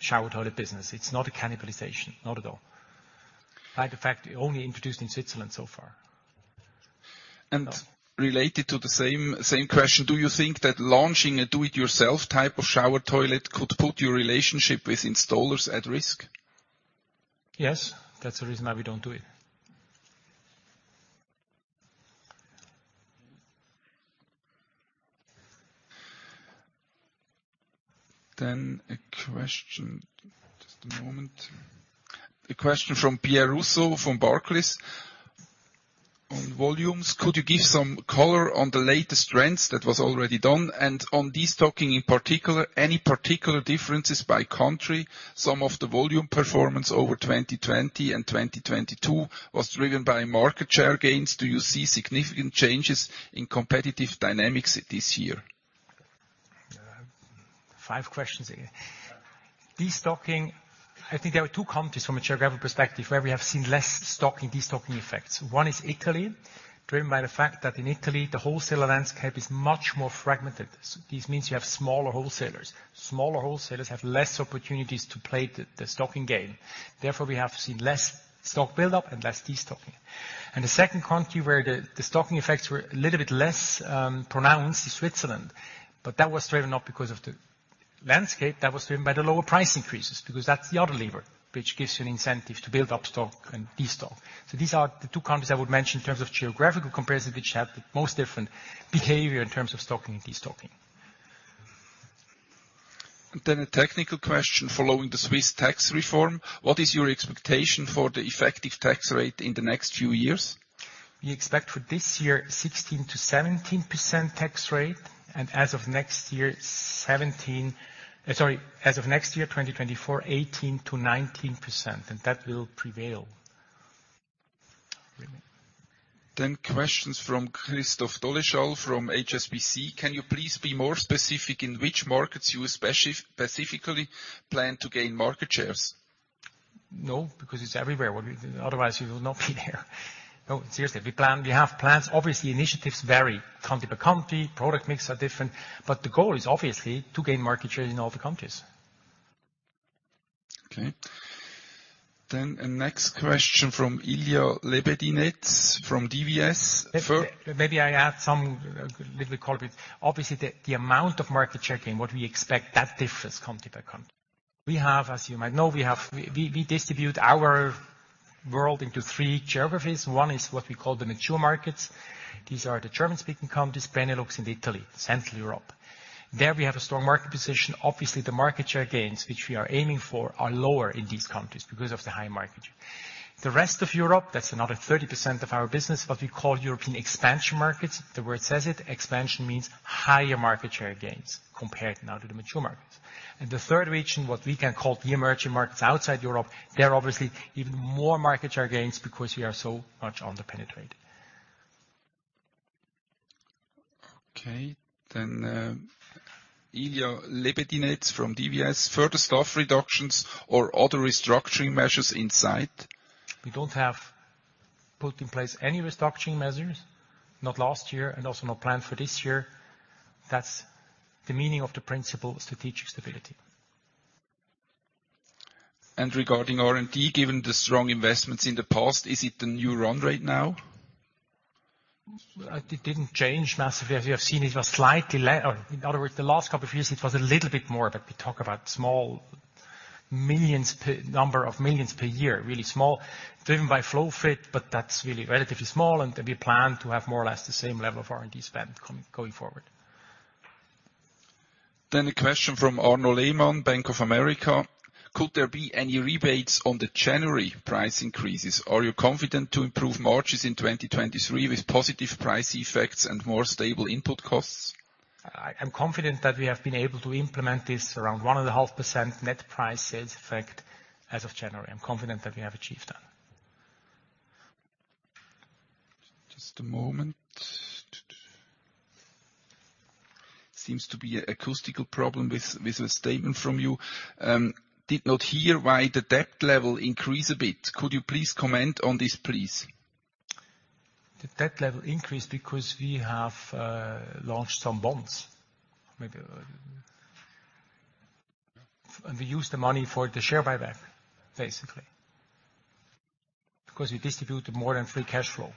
shower toilet business. It's not a cannibalization, not at all. Matter of fact, only introduced in Switzerland so far. Related to the same question, do you think that launching a do it yourself type of shower toilet could put your relationship with installers at risk? Yes. That's the reason why we don't do it. A question... Just a moment. A question from Pierre-Loup Etienne, from Barclays. On volumes, could you give some color on the latest trends? That was already done. On destocking, in particular, any particular differences by country? Some of the volume performance over 2020 and 2022 was driven by market share gains. Do you see significant changes in competitive dynamics this year? Five questions there. Destocking, I think there are two countries from a geographical perspective where we have seen less destocking effects. One is Italy, driven by the fact that in Italy, the wholesaler landscape is much more fragmented. This means you have smaller wholesalers. Smaller wholesalers have less opportunities to play the stocking game, therefore we have seen less stock build-up and less destocking. The second country where the stocking effects were a little bit less pronounced is Switzerland, but that was straight enough because of the landscape that was driven by the lower price increases, because that's the other lever which gives you an incentive to build up stock and destock. These are the two countries I would mention in terms of geographical comparison, which have the most different behavior in terms of stocking and destocking. A technical question: following the Swiss tax reform, what is your expectation for the effective tax rate in the next few years? We expect for this year 16%-17% tax rate, and as of next year, 2024, 18%-19%, and that will prevail. questions from Christoph Dolzal from HSBC: Can you please be more specific in which markets you specifically plan to gain market shares? No, because it's everywhere. Well, otherwise we would not be there. No, seriously, we have plans. Obviously, initiatives vary country by country, product mix are different, but the goal is obviously to gain market share in all the countries. Okay. next question from Ilya Gofshteyn from DWS. Maybe I add some little comment. Obviously, the amount of market share gain, what we expect, that differs country by country. We have, as you might know, We distribute our world into 3 geographies. One is what we call the mature markets. These are the German-speaking countries, Benelux and Italy, Central Europe. There we have a strong market position. Obviously, the market share gains which we are aiming for are lower in these countries because of the high market share. The rest of Europe, that's another 30% of our business, what we call European expansion markets. The word says it, expansion means higher market share gains compared now to the mature markets. The third region, what we can call the emerging markets outside Europe, they're obviously even more market share gains because we are so much under-penetrated. Okay. Further staff reductions or other restructuring measures in sight? We don't have put in place any restructuring measures, not last year and also not planned for this year. That's the meaning of the principle of strategic stability. Regarding R&D, given the strong investments in the past, is it a new run rate now? It didn't change massively. As you have seen, it was slightly In other words, the last couple of years it was a little bit more, but we talk about small millions per... Number of millions per year. Really small. Driven by FlowFit, but that's really relatively small, and we plan to have more or less the same level of R&D spend going forward. A question from Arnaud Lehmann, Bank of America. Could there be any rebates on the January price increases? Are you confident to improve margins in 2023 with positive price effects and more stable input costs? I'm confident that we have been able to implement this around 1.5% net price sales effect as of January. I'm confident that we have achieved that. Just a moment. Seems to be an acoustical problem with a statement from you. Did not hear why the debt level increased a bit. Could you please comment on this, please? The debt level increased because we have launched some bonds. Maybe. We used the money for the share buyback, basically. We distributed more than free cash flow.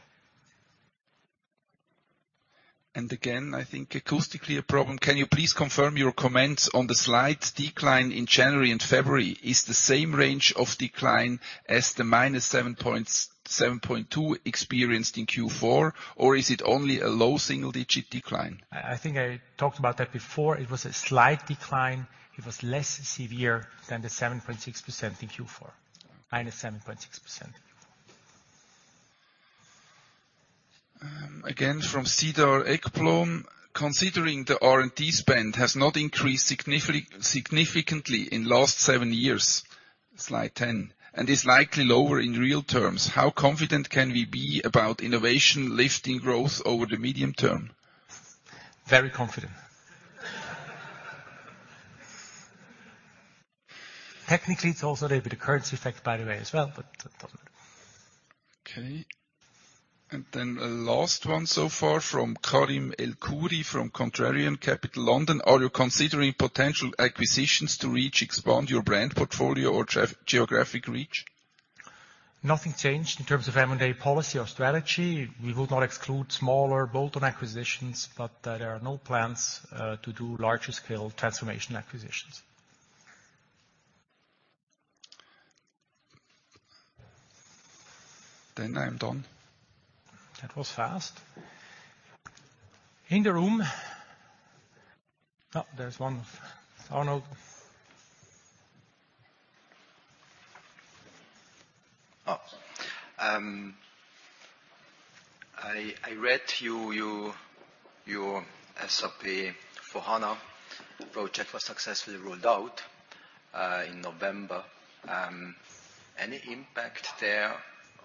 Again, I think acoustically a problem. Can you please confirm your comments on the slight decline in January and February? Is the same range of decline as the minus 7.2 experienced in Q4, or is it only a low single-digit decline? I think I talked about that before. It was a slight decline. It was less severe than the 7.6% in Q4. -7.6% in Q4. Again, from Cedar Ekblom. Considering the R&D spend has not increased significantly in last seven years, slide 10, and is likely lower in real terms, how confident can we be about innovation lifting growth over the medium term? Very confident. Technically, it's also a little bit of currency effect, by the way, as well, but that doesn't matter. A last one so far from Karim El-Khoury from Contrarian Capital London. Are you considering potential acquisitions to reach expand your brand portfolio or geographic reach? Nothing changed in terms of M&A policy or strategy. We would not exclude smaller bolt-on acquisitions. There are no plans to do larger scale transformation acquisitions. I am done. That was fast. In the room? Oh, there's one. Arnold? I read your SAP S/4HANA project was successfully rolled out in November. Any impact there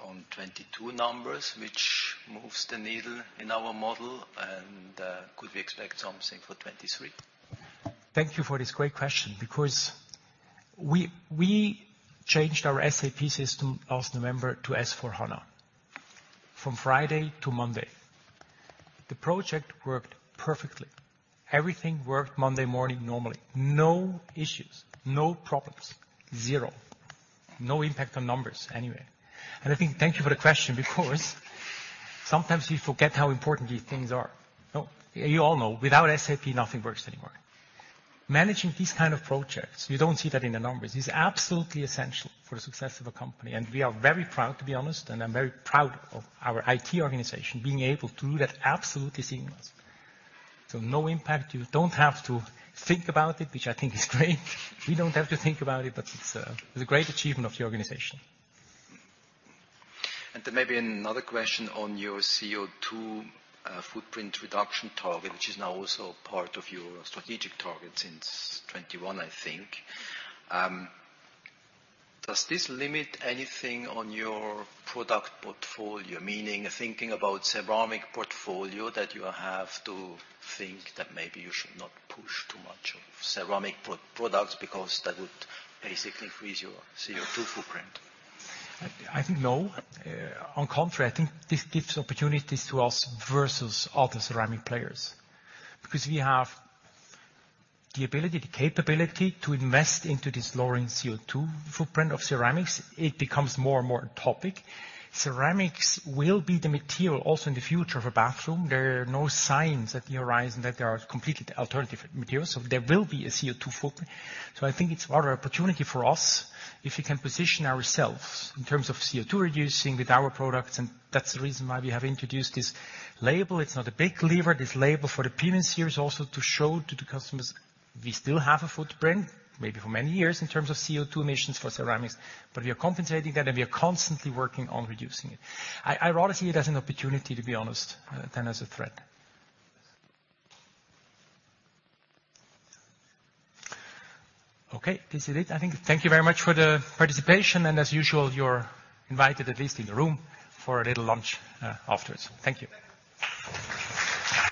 on 2022 numbers which moves the needle in our model, and could we expect something for 2023? Thank you for this great question. Because we changed our SAP system last November to S/4HANA, from Friday to Monday. The project worked perfectly. Everything worked Monday morning normally. No issues, no problems. Zero. No impact on numbers anywhere. I think, thank you for the question because sometimes we forget how important these things are. No, you all know, without SAP, nothing works anymore. Managing these kind of projects, you don't see that in the numbers, is absolutely essential for the success of a company, and we are very proud, to be honest, and I'm very proud of our IT organization being able to do that absolutely seamless. No impact. You don't have to think about it, which I think is great. We don't have to think about it, but it's a great achievement of the organization. Maybe another question on your CO2 footprint reduction target, which is now also part of your strategic target since 2021, I think. Does this limit anything on your product portfolio? Meaning, thinking about ceramic portfolio, that you have to think that maybe you should not push too much of ceramic products because that would basically increase your CO2 footprint. I think no. On contrary, I think this gives opportunities to us versus other ceramic players. Because we have the ability, the capability to invest into this lowering CO2 footprint of ceramics. It becomes more and more a topic. Ceramics will be the material also in the future of a bathroom. There are no signs at the horizon that there are competely alternative materials, so there will be a CO2 footprint. So I think it's rather an opportunity for us if we can position ourselves in terms of CO2 reducing with our products, and that's the reason why we have introduced this label. It's not a big lever. This label for the WELL here is also to show to the customers we still have a footprint, maybe for many years in terms of CO2 emissions for ceramics. We are compensating that and we are constantly working on reducing it. I rather see it as an opportunity, to be honest, th an as a threat. This is it, I think. Thank you very much for the participation. As usual, you're invited, at least in the room, for a little lunch afterwards. Thank you.